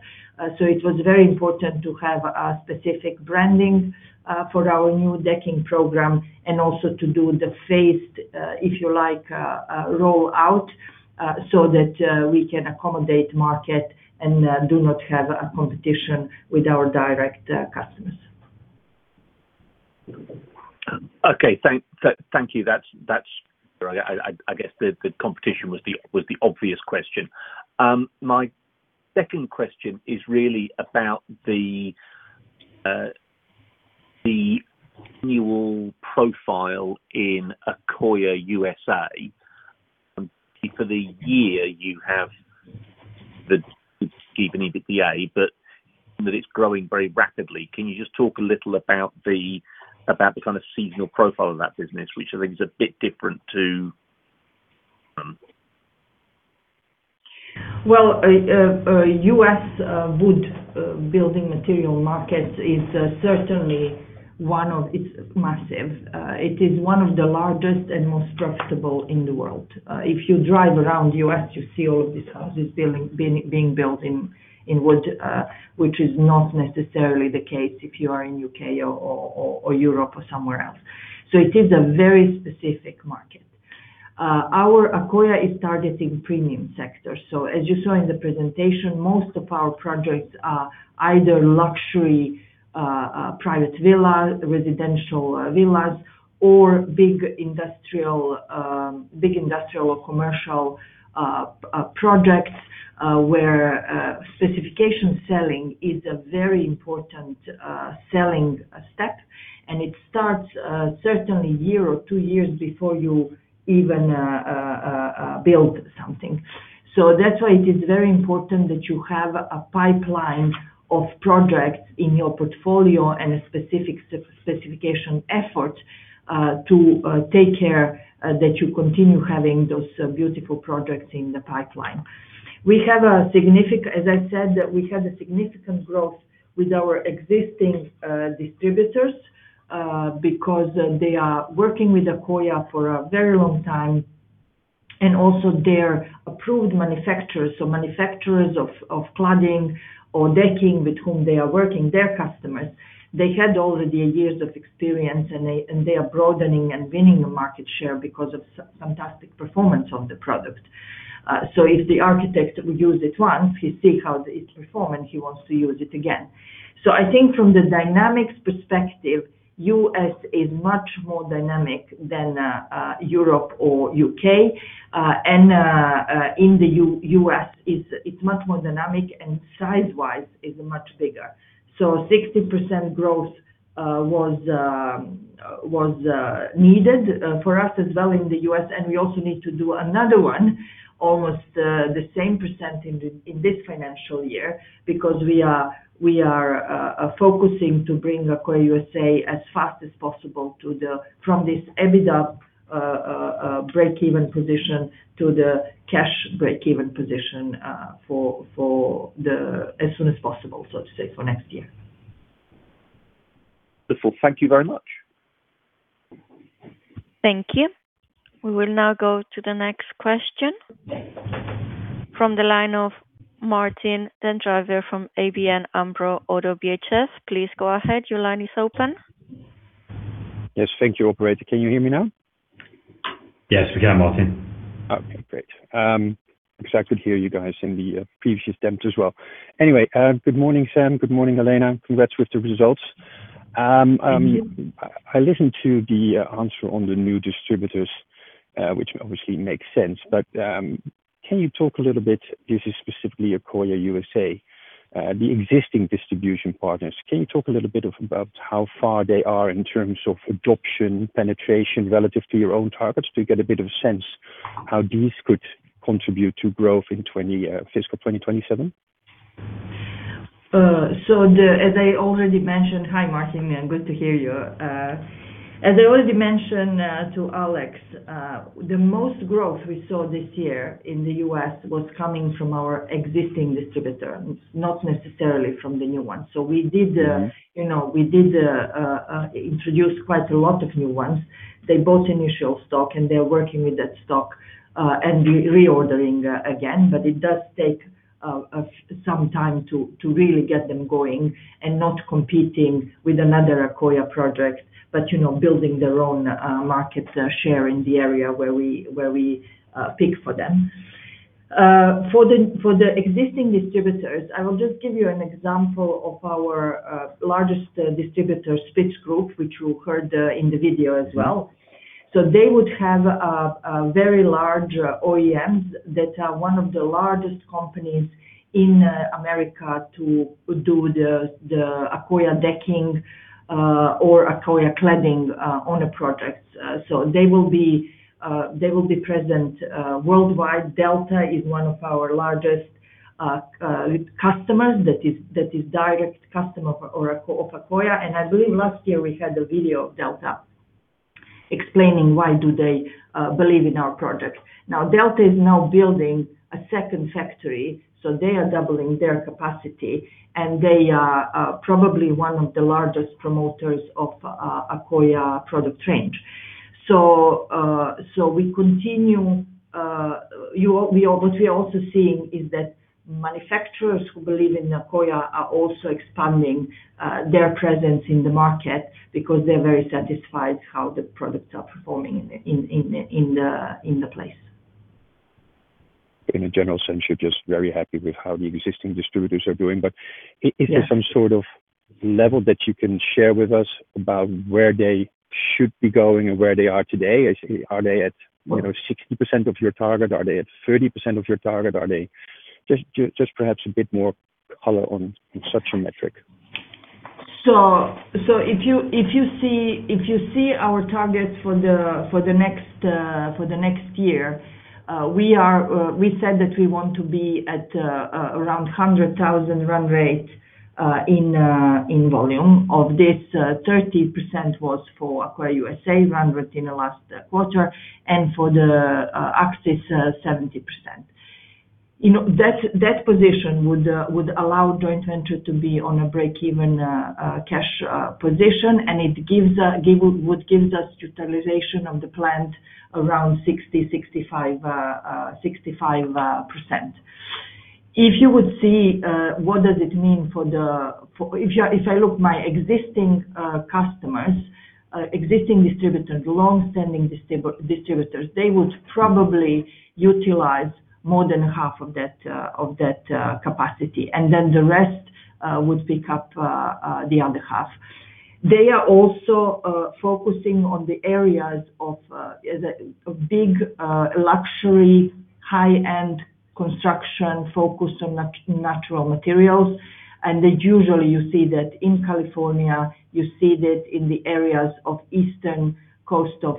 It was very important to have a specific branding for our new decking program and also to do the phased, if you like, roll out so that we can accommodate market and do not have a competition with our direct customers. Okay. Thank you. I guess the competition was the obvious question. My second question is really about the annual profile in Accoya USA. For the year, you have the EBITDA, but that it's growing very rapidly. Can you just talk a little about the kind of seasonal profile of that business, which I think is a bit different to? Well, U.S. wood building material markets, it's massive. It is one of the largest and most profitable in the world. If you drive around U.S., you see all of these houses being built in wood, which is not necessarily the case if you are in U.K. or Europe or somewhere else. It is a very specific market. Our Accoya is targeting premium sector. As you saw in the presentation, most of our projects are either luxury private villa, residential villas or big industrial or commercial projects, where specification selling is a very important selling step. It starts, certainly year or two years before you even build something. That's why it is very important that you have a pipeline of projects in your portfolio and a specific specification effort to take care that you continue having those beautiful projects in the pipeline. As I said, we had a significant growth with our existing distributors because they are working with Accoya for a very long time, and also they are approved manufacturers. Manufacturers of cladding or decking with whom they are working, their customers, they had already years of experience, and they are broadening and winning the market share because of fantastic performance of the product. If the architect will use it once, he see how it perform, and he wants to use it again. I think from the dynamics perspective, U.S. is much more dynamic than Europe or U.K. In the U.S., it's much more dynamic, and size-wise is much bigger. 60% growth was needed for us as well in the U.S., and we also need to do another one, almost the same per cent in this financial year, because we are focusing to bring Accoya USA as fast as possible from this EBITDA breakeven position to the cash breakeven position as soon as possible, so to say, for next year. Wonderful. Thank you very much. Thank you. We will now go to the next question from the line of Martijn den Drijver from ABN AMRO ODDO BHF. Please go ahead. Your line is open. Yes, thank you. Operator, can you hear me now? Yes, we can, Martijn. Okay, great. I could hear you guys in the previous attempt as well. Anyway, good morning, Sam. Good morning, Jelena. Congrats with the results. Thank you. I listened to the answer on the new distributors, which obviously makes sense. Can you talk a little bit, this is specifically Accoya USA, the existing distribution partners? Can you talk a little bit about how far they are in terms of adoption, penetration, relative to your own targets to get a bit of sense how these could contribute to growth in fiscal 2027? As I already mentioned, Hi, Martijn. Good to hear you. As I already mentioned to Alex, the most growth we saw this year in the U.S. was coming from our existing distributors, not necessarily from the new ones. We did introduce quite a lot of new ones. They bought initial stock, and they are working with that stock and reordering again. It does take some time to really get them going and not competing with another Accoya project, but building their own market share in the area where we pick for them. For the existing distributors, I will just give you an example of our largest distributor, Spitz Group, which you heard in the video as well. They would have a very large OEMs that are one of the largest companies in America to do the Accoya decking or Accoya cladding on a project. They will be present worldwide. Delta is one of our largest customers that is direct customer of Accoya. I believe last year we had a video of Delta explaining why do they believe in our project. Delta is now building a second factory, so they are doubling their capacity and they are probably one of the largest promoters of Accoya product range. We continue. What we are also seeing is that manufacturers who believe in Accoya are also expanding their presence in the market because they are very satisfied how the products are performing in the place. In a general sense, you are just very happy with how the existing distributors are doing. Is there some sort of level that you can share with us about where they should be going and where they are today? Are they at 60% of your target? Are they at 30% of your target? Just perhaps a bit more color on such a metric. If you see our target for the next year, we said that we want to be at around 100,000 run rate in volume. Of this, 30% was for Accoya USA run rate in the last quarter, for the Accsys, 70%. That position would allow joint venture to be on a breakeven cash position, and it would give us utilization of the plant around 60%-65%. If you would see what does it mean for the existing customers, existing distributors, longstanding distributors, they would probably utilize more than half of that capacity, then the rest would pick up the other half. They are also focusing on the areas of big luxury, high-end construction, focused on natural materials. Usually, you see that in California, you see that in the areas of Eastern Coast of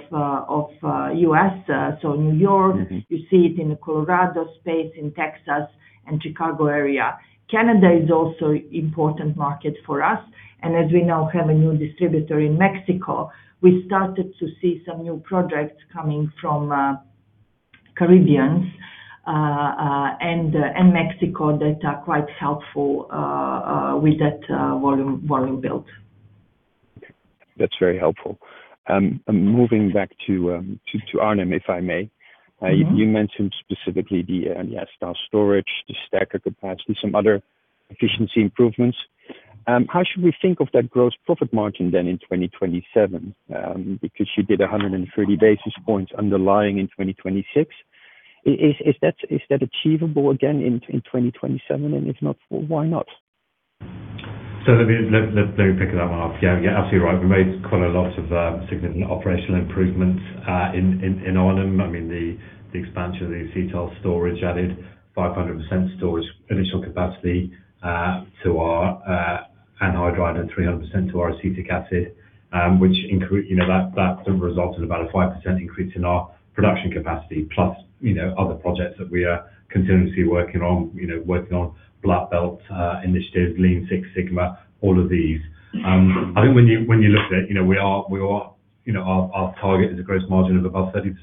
U.S., so New York. You see it in the Colorado space, in Texas and Chicago area. Canada is also important market for us. As we now have a new distributor in Mexico, we started to see some new projects coming from Caribbean and Mexico that are quite helpful with that volume build. That's very helpful. Moving back to Arnhem, if I may. You mentioned specifically the acetyls storage, the stacker capacity, some other efficiency improvements. How should we think of that gross profit margin then in 2027? You did 130 basis points underlying in 2026. Is that achievable again in 2027? If not, why not? Let me pick that one up. Yes, absolutely right. We made quite a lot of significant operational improvements in Arnhem. I mean, the expansion of the acetyls storage added 500% storage initial capacity to our anhydride and 300% to our acetic acid, that results in about a 5% increase in our production capacity, plus other projects that we are continuously working on, working on black belt initiatives, Lean Six Sigma, all of these. I think when you look at it, our target is a gross margin of above 30%,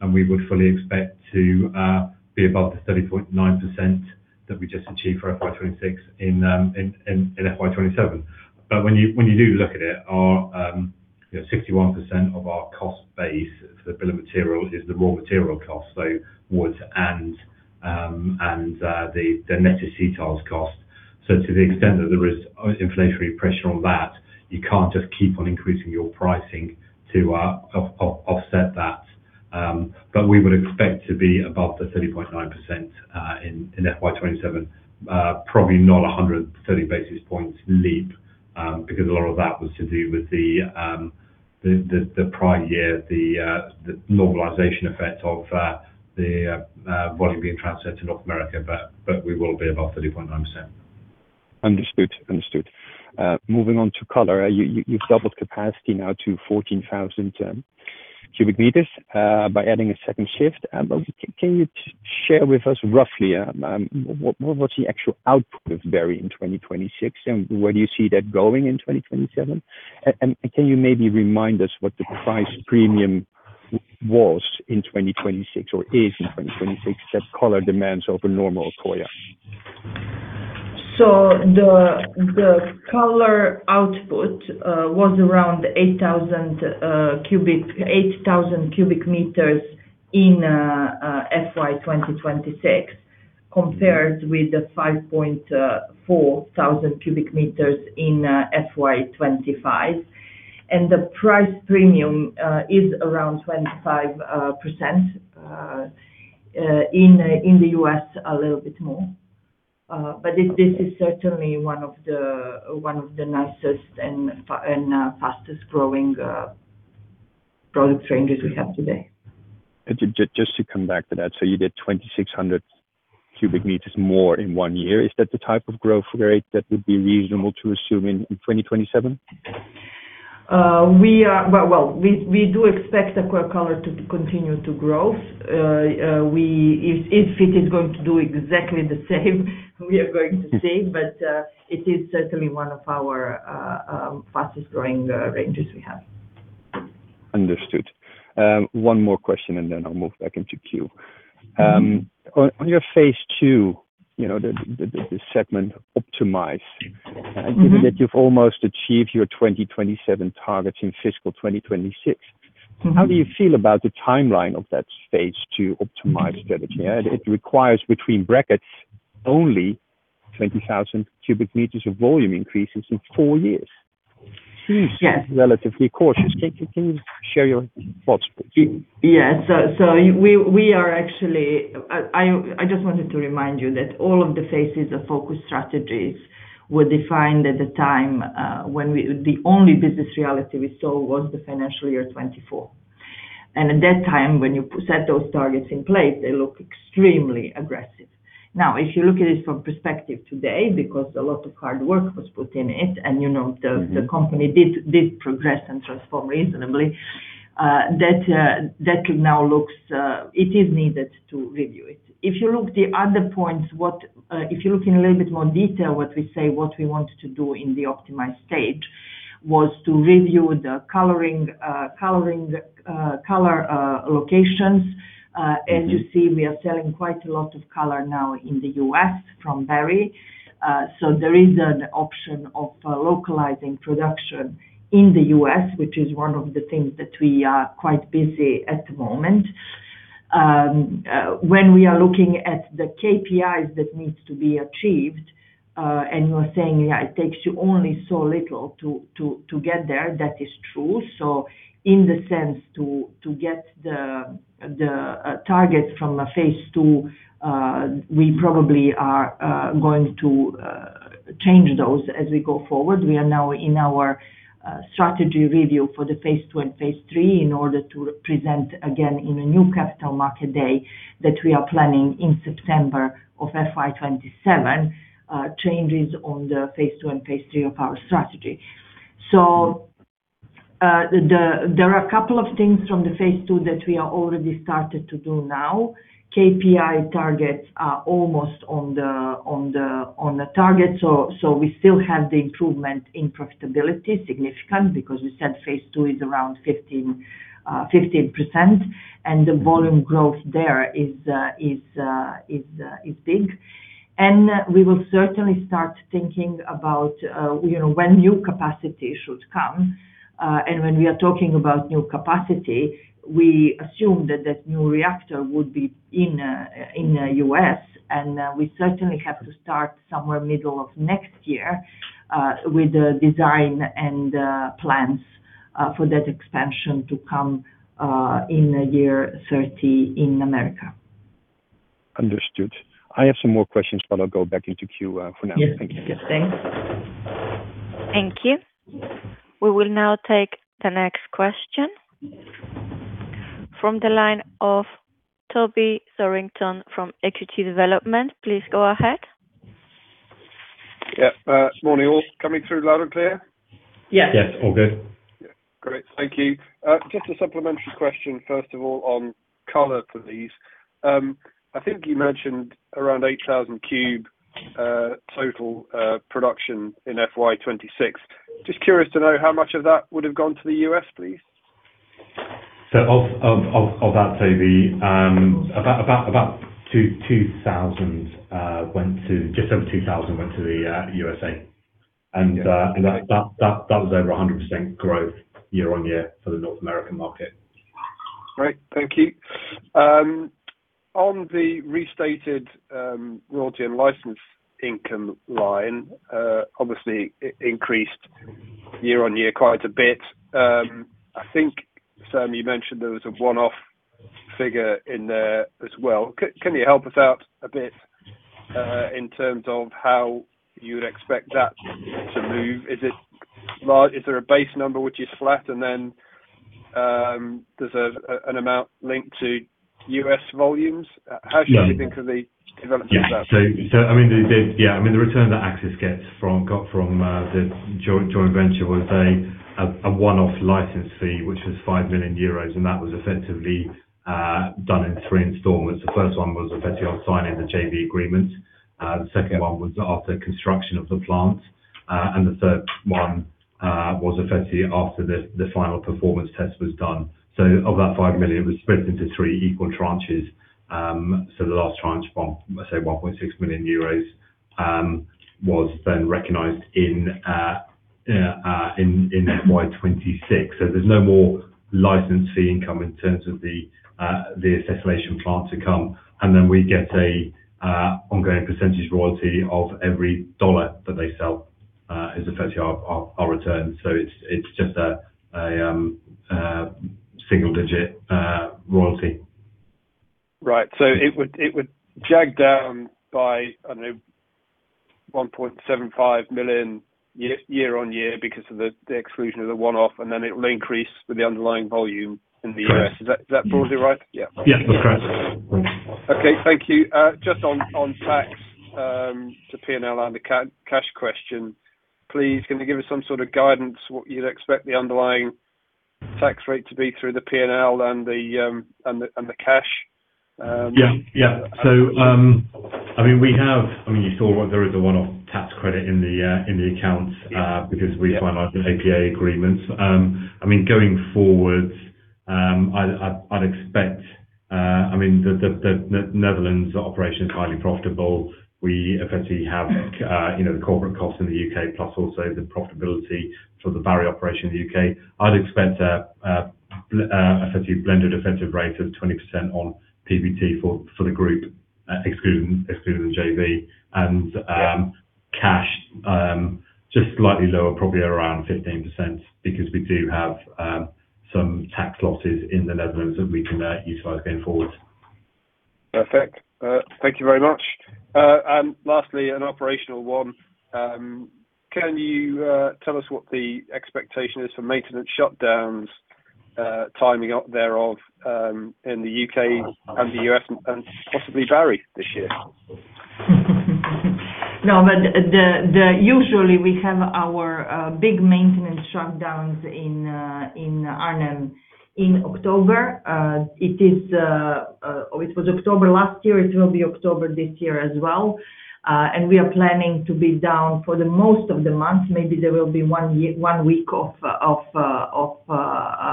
and we would fully expect to be above the 30.9% that we just achieved for FY 2026 in FY 2027. When you do look at it, 61% of our cost base for the bill of material is the raw material cost, so woods and the acetyls cost. To the extent that there is inflationary pressure on that, you can't just keep on increasing your pricing to offset that. We would expect to be above the 30.9% in FY 2027, probably not 130 basis points leap, because a lot of that was to do with the prior year, the normalization effect of the volume being transferred to North America. We will be above 30.9%. Understood. Moving on to Color. You've doubled capacity now to 14,000 cubic meters by adding a second shift. Can you share with us roughly what was the actual output of Barry in 2026, and where do you see that going in 2027? Can you maybe remind us what the price premium was in 2026, or is in 2026, that Color demands over normal Accoya? The Color output was around 8,000 cubic meters in FY 2026, compared with the 5,400 cubic meters in FY 2025. The price premium is around 25%, in the U.S. a little bit more. This is certainly one of the nicest and fastest-growing product ranges we have today. Just to come back to that. You did 2,600 cubic meters more in one year. Is that the type of growth rate that would be reasonable to assume in 2027? Well, we do expect Accoya Color to continue to grow. If it is going to do exactly the same, we are going to see, but it is certainly one of our fastest-growing ranges we have. Understood. One more question and then I'll move back into queue. On your Phase II, the segment optimize, given that you've almost achieved your 2027 targets in fiscal 2026, how do you feel about the timeline of that Phase II optimize strategy? It requires between brackets, only 20,000 cubic meters of volume increases in four years. Yes. Relatively cautious. Can you share your thoughts please? Yeah. I just wanted to remind you that all of the phases of FOCUS strategies were defined at the time when the only business reality we saw was the financial year 2024. At that time, when you set those targets in place, they look extremely aggressive. Now, if you look at it from perspective today, because a lot of hard work was put in it and the company did progress and transform reasonably, it is needed to review it. If you look in a little bit more detail, what we say, what we wanted to do in the optimized stage was to review the Color locations. You see, we are selling quite a lot of Color now in the U.S. from Barry. There is an option of localizing production in the U.S., which is one of the things that we are quite busy at the moment. When we are looking at the KPIs that needs to be achieved, and you are saying it takes you only so little to get there, that is true. In the sense to get the targets from a Phase II we probably are going to change those as we go forward. We are now in our strategy review for the Phase II and Phase III in order to present again in a new Capital Market Day that we are planning in September of FY 2027, changes on the Phase II and Phase III of our strategy. There are a couple of things from the Phase II that we are already started to do now. KPI targets are almost on the target, we still have the improvement in profitability significant, because we said Phase II is around 15%. The volume growth there is big. We will certainly start thinking about when new capacity should come. When we are talking about new capacity, we assume that new reactor would be in U.S., and we certainly have to start somewhere middle of next year, with the design and plans for that expansion to come in year 2030 in America. Understood. I have some more questions, I'll go back into queue for now. Thank you. Yes. Thanks. Thank you. We will now take the next question. From the line of Toby Thorrington from Equity Development. Please go ahead. Yeah. Morning all. Coming through loud and clear? Yes. Yes. All good. Great. Thank you. Just a supplementary question, first of all, on Color, please. I think you mentioned around 8,000 cube total production in FY 2026. Just curious to know how much of that would've gone to the U.S., please. Of that, Toby, just over 2,000 went to the USA. Yeah. That was over 100% growth year-over-year for the North American market. Great. Thank you. On the restated royalty and license income line, obviously increased year-over-year quite a bit. I think, Sam, you mentioned there was a one-off figure in there as well. Can you help us out a bit, in terms of how you would expect that to move? Is there a base number which is flat, and then there's an amount linked to U.S. volumes? How should we think of the development of that? Yeah. The return that Accsys got from the joint venture was a one-off license fee, which was 5 million euros, and that was effectively done in three installments. The first one was effectively on signing the JV agreement. The second one was after construction of the plant. The third one was effectively after the final performance test was done. Of that 5 million, it was split into three equal tranches. The last tranche from, say, 1.6 million euros, was then recognized in FY 2026. There's no more license fee income in terms of the acetylation plant to come, and then we get an ongoing percentage royalty of every dollar that they sell is effectively our return. It's just a single-digit royalty. Right. It would jag down by, I don't know, 1.75 million year-on-year because of the exclusion of the one-off, and then it will increase with the underlying volume in the U.S. Correct. Does that broadly right? Yeah. Yes. That's correct. Okay. Thank you. Just on tax to P&L and the cash question, please, can you give us some sort of guidance what you'd expect the underlying tax rate to be through the P&L and the cash? Yeah. You saw there is a one-off tax credit in the accounts because we finalized the APA agreements. Going forward, I'd expect the Netherlands operation is highly profitable. We effectively have the corporate cost in the U.K., plus also the profitability for the Barry operation in the U.K. I'd expect a blended effective rate of 20% on PBT for the group, excluding the JV. Yeah. Cash, just slightly lower, probably around 15%, because we do have some tax losses in the Netherlands that we can utilize going forward. Perfect. Thank you very much. Lastly, an operational one. Can you tell us what the expectation is for maintenance shutdowns, timing thereof, in the U.K. and the U.S. and possibly Barry this year? Usually, we have our big maintenance shutdowns in Arnhem in October. It was October last year. It will be October this year as well. We are planning to be down for the most of the month. Maybe there will be one week of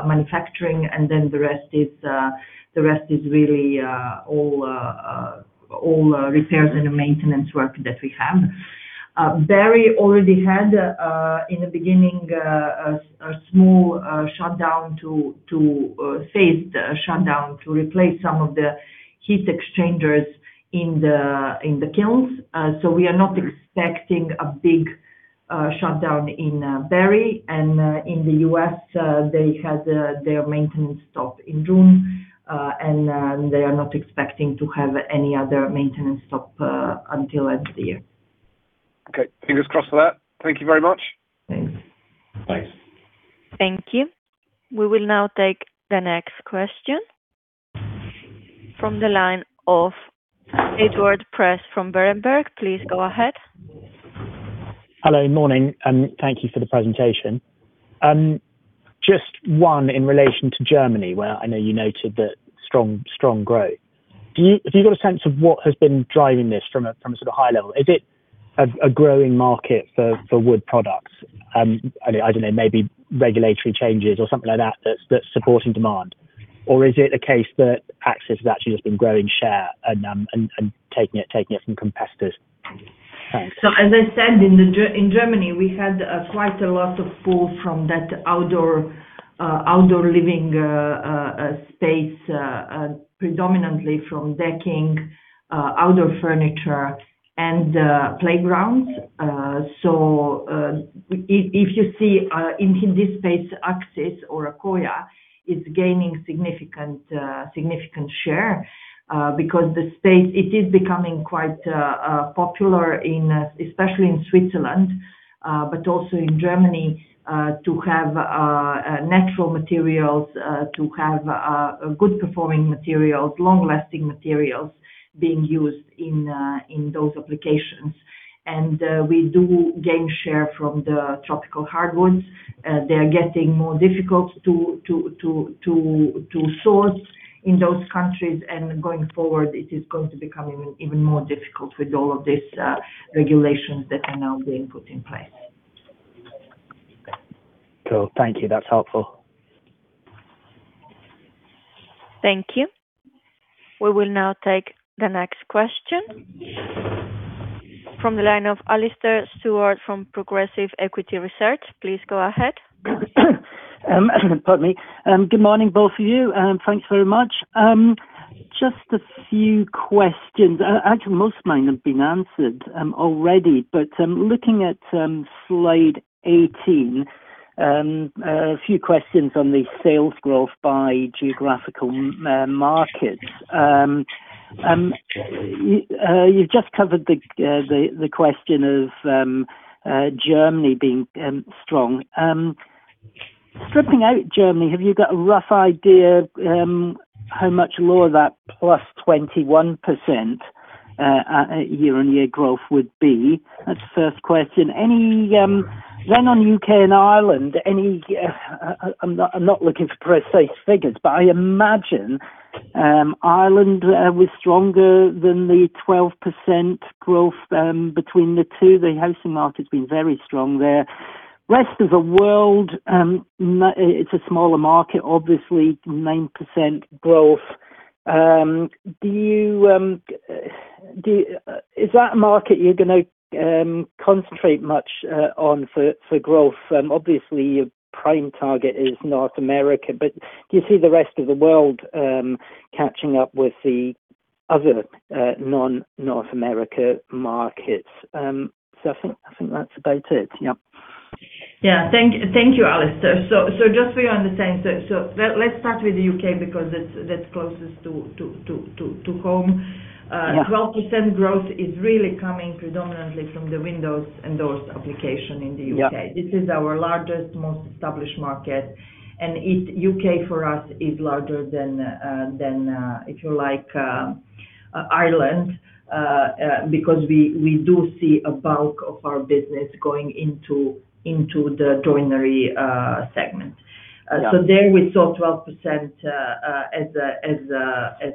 manufacturing, and then the rest is really all repairs and maintenance work that we have. Barry already had, in the beginning, a phased shutdown to replace some of the heat exchangers in the kilns. We are not expecting a big shutdown in Barry. In the U.S., they had their maintenance stop in June. They are not expecting to have any other maintenance stop until end of the year. Fingers crossed for that. Thank you very much. Thanks. Thanks. Thank you. We will now take the next question from the line of Edward Prest from Berenberg. Please go ahead. Thank you for the presentation. Just one in relation to Germany, where I know you noted the strong growth. Have you got a sense of what has been driving this from a sort of high level? Is it a growing market for wood products? I don't know, maybe regulatory changes or something like that that's supporting demand. Is it a case that Accsys has actually just been growing share and taking it from competitors? Thanks. As I said, in Germany, we had quite a lot of pull from that outdoor living space, predominantly from decking, outdoor furniture, and playgrounds. If you see in this space, Accsys or Accoya is gaining significant share because the space, it is becoming quite popular, especially in Switzerland, but also in Germany, to have natural materials, to have good-performing materials, long-lasting materials being used in those applications. We do gain share from the tropical hardwoods. They are getting more difficult to source in those countries. Going forward, it is going to become even more difficult with all of these regulations that are now being put in place. Cool. Thank you. That's helpful. Thank you. We will now take the next question from the line of Alastair Stewart from Progressive Equity Research. Please go ahead. Pardon me. Good morning, both of you. Thanks very much. Just a few questions. Actually, most of mine have been answered already. Looking at slide 18, a few questions on the sales growth by geographical markets. You've just covered the question of Germany being strong. Stripping out Germany, have you got a rough idea how much lower that +21% year-on-year growth would be? That's the first question. On U.K. and Ireland, I'm not looking for precise figures, but I imagine Ireland was stronger than the 12% growth between the two. The housing market's been very strong there. Rest of the world, it's a smaller market, obviously, 9% growth. Is that a market you're going to concentrate much on for growth? Obviously, your prime target is North America, but do you see the rest of the world catching up with the other non-North America markets? I think that's about it. Yep. Yeah. Thank you, Alastair. Just for your understanding, let's start with the U.K., because that's closest to home. Yeah. 12% growth is really coming predominantly from the windows and doors application in the U.K. Yeah. This is our largest, most established market, and U.K. for us is larger than, if you like, Ireland, because we do see a bulk of our business going into the joinery segment. Yeah. There we saw 12% as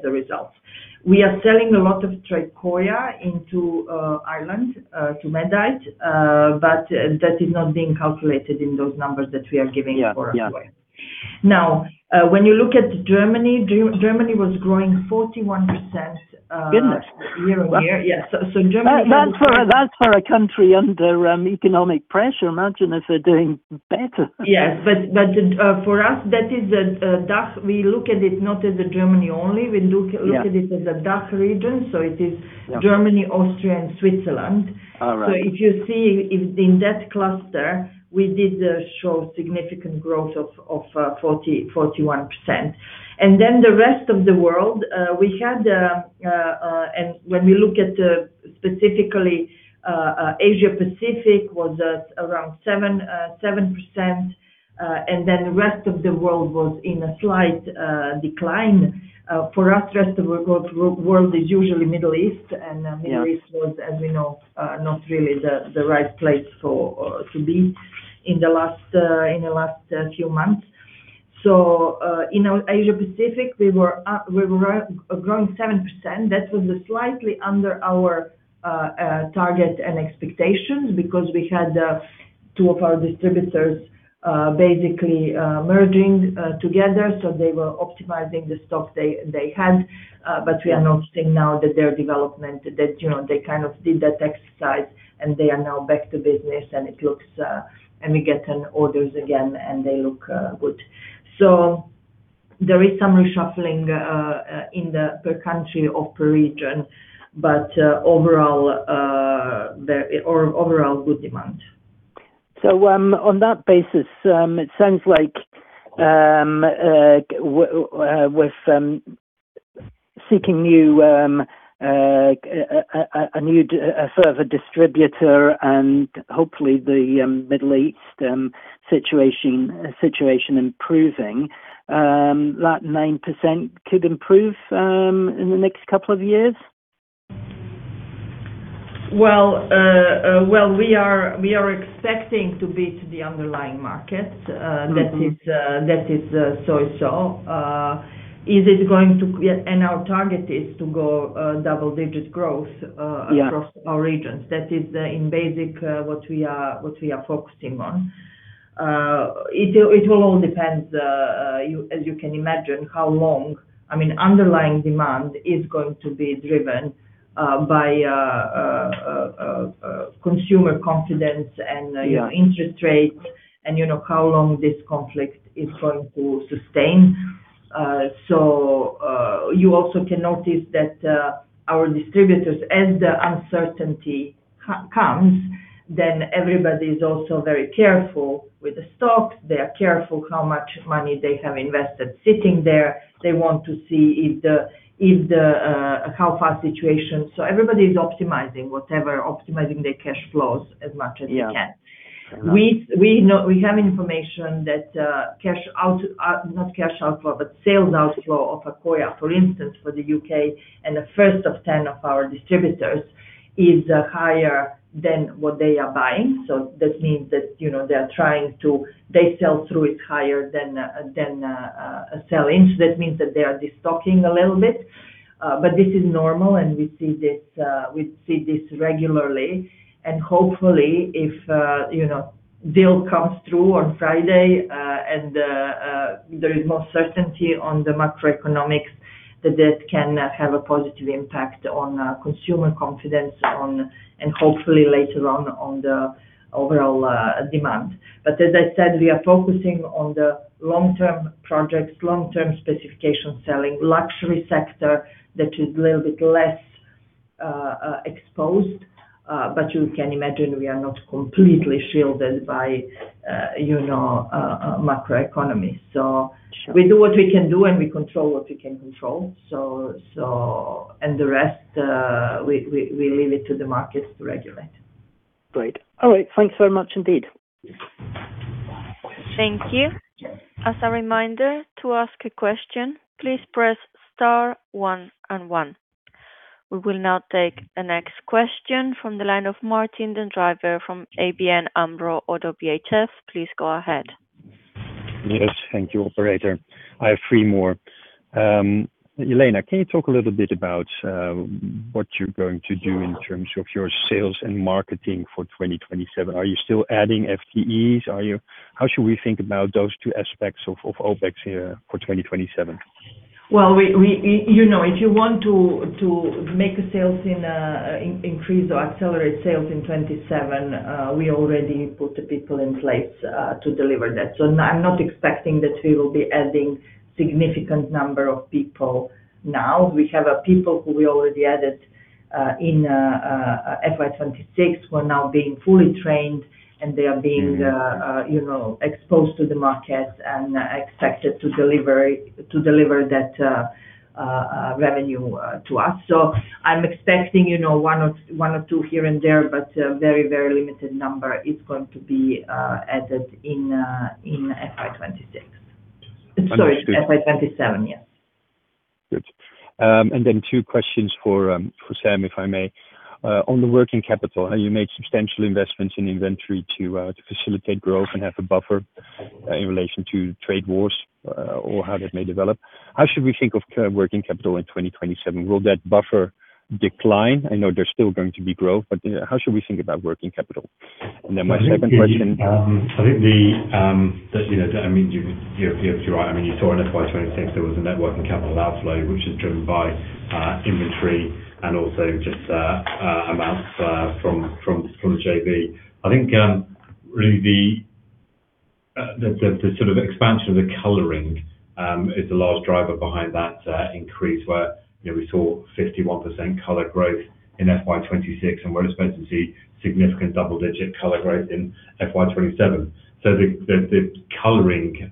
a result. We are selling a lot of Tricoya into Ireland to Medite. That is not being calculated in those numbers that we are giving for Ireland. Yeah. When you look at Germany was growing 41%. Goodness Year on year. Yes. Germany was. That's for a country under economic pressure. Imagine if they're doing better. Yes. For us, we look at it not as Germany only. We look- Yeah At it as a DACH region, it is Germany, Austria, and Switzerland. All right. If you see, in that cluster, we did show significant growth of 41%. The rest of the world, and when we look at specifically Asia-Pacific, was around 7%, and then the rest of the world was in a slight decline. For us, the rest of the world is usually Middle East, and Middle East was, as we know, not really the right place to be in the last few months. In Asia-Pacific, we were growing 7%. That was slightly under our target and expectations because we had two of our distributors basically merging together, so they were optimizing the stock they had. We are now seeing now that their development, that they kind of did that exercise, and they are now back to business. We are getting orders again, and they look good. There is some reshuffling in the per-country or per-region, but overall good demand. On that basis, it sounds like with seeking a further distributor and hopefully the Middle East situation improving, that 9% could improve in the next couple of years? Well, we are expecting to beat the underlying market. That is so-so. Our target is to go double-digit growth. Yeah Across our regions. That is in basic what we are focusing on. It will all depend, as you can imagine, how long. Underlying demand is going to be driven by consumer confidence and interest rates, and how long this conflict is going to sustain. You also can notice that our distributors, as the uncertainty comes, everybody's also very careful with the stocks. They are careful how much money they have invested sitting there. They want to see how fast the situation. Everybody's optimizing whatever, optimizing their cash flows as much as they can. We have information that sales outflow of Accoya, for instance, for the U.K. and the first of 10 of our distributors, is higher than what they are buying. That means that their sell-through is higher than sell-in. That means that they are destocking a little bit. This is normal, and we see this regularly. Hopefully, if deal comes through on Friday and there is more certainty on the macroeconomics, that can have a positive impact on consumer confidence, and hopefully later on the overall demand. As I said, we are focusing on the long-term projects, long-term specification selling, luxury sector, that is a little bit less exposed. You can imagine we are not completely shielded by macroeconomy. We do what we can do, and we control what we can control. The rest, we leave it to the markets to regulate. Great. All right. Thanks very much indeed. Thank you. As a reminder, to ask a question, please press star one and one. We will now take the next question from the line of Martijn den Drijver from ABN AMRO ODDO BHF. Please go ahead. Yes, thank you, operator. I have three more. Jelena, can you talk a little bit about what you're going to do in terms of your sales and marketing for 2027? Are you still adding FTEs? How should we think about those two aspects of OpEx here for 2027? Well, if you want to make a sales increase or accelerate sales in 2027, we already put the people in place to deliver that. I'm not expecting that we will be adding significant number of people now. We have people who we already added in FY 2026 who are now being fully trained. They are being exposed to the market and expected to deliver that revenue to us. I'm expecting one or two here and there, but a very limited number is going to be added in FY 2026. Sorry, FY 2027. Yeah. Good. Then two questions for Sam, if I may. On the working capital, you made substantial investments in inventory to facilitate growth and have a buffer in relation to trade wars or how that may develop. How should we think of working capital in 2027? Will that buffer decline? I know there's still going to be growth. How should we think about working capital? Then my second question- I think you're right. You saw in FY 2026 there was a net working capital outflow, which is driven by inventory and also just amounts from the JV. I think really the expansion of the coloring is the large driver behind that increase where we saw 51% Color growth in FY 2026, we're expecting to see significant double-digit Color growth in FY 2027. The coloring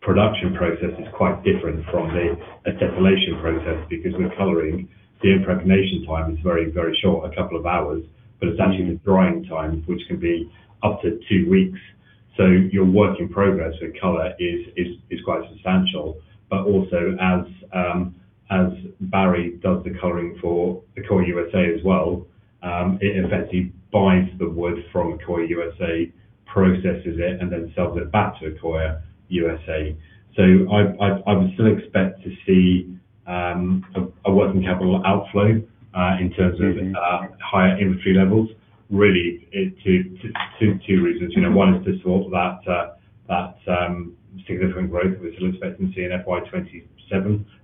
production process is quite different from the acetylation process. With coloring, the impregnation time is very short, a couple of hours, but it's actually the drying time, which can be up to two weeks. Your work in progress with Color is quite substantial. Also, as Barry does the coloring for Accoya USA as well, it effectively buys the wood from Accoya USA, processes it, and then sells it back to Accoya USA. I would still expect to see a working capital outflow in terms of higher inventory levels, really two reasons. One is to support that significant growth, which we're expecting to see in FY 2027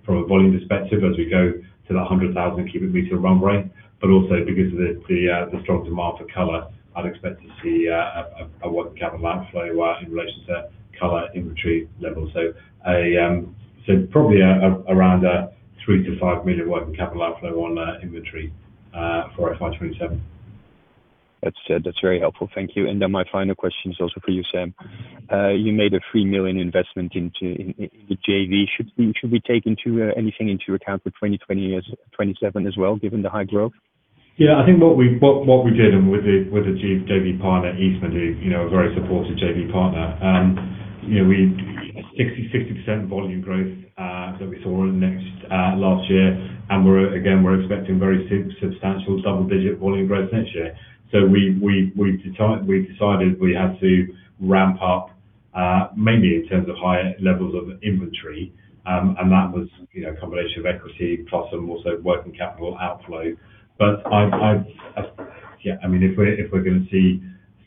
from a volume perspective as we go to that 100,000 cubic meter run rate. Also because of the strong demand for Accoya Color, I would expect to see a working capital outflow in relation to Accoya Color inventory levels. Probably around a 3 million to 5 million working capital outflow on inventory for FY 2027. That's very helpful. Thank you. My final question is also for you, Sam. You made a 3 million investment into the JV. Should we take anything into account for 2027 as well, given the high growth? I think what we did, with the JV partner, Eastman, who are a very supportive JV partner. 60% volume growth that we saw last year, and again, we're expecting very substantial double-digit volume growth next year. We decided we had to ramp up, mainly in terms of higher levels of inventory. That was a combination of equity plus some also working capital outflow. If we're going to see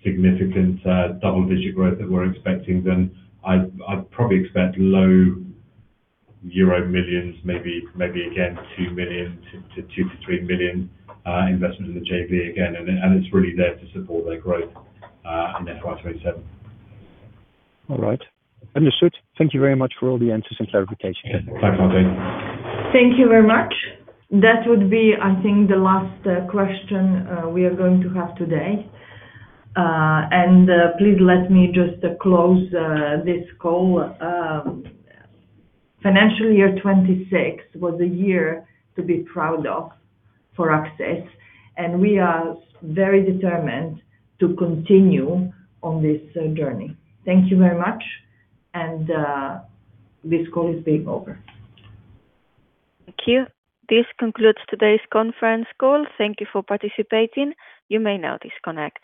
significant double-digit growth that we're expecting, I would probably expect low euro millions, maybe again, 2 million to 3 million investment in the JV again. It's really there to support that growth in FY 2027. All right. Understood. Thank you very much for all the answers and clarifications. Okay. Bye, Martijn. Thank you very much. That would be, I think, the last question we are going to have today. Please let me just close this call. Financial year 2026 was a year to be proud of for Accsys. We are very determined to continue on this journey. Thank you very much, this call is being over. Thank you. This concludes today's conference call. Thank you for participating. You may now disconnect.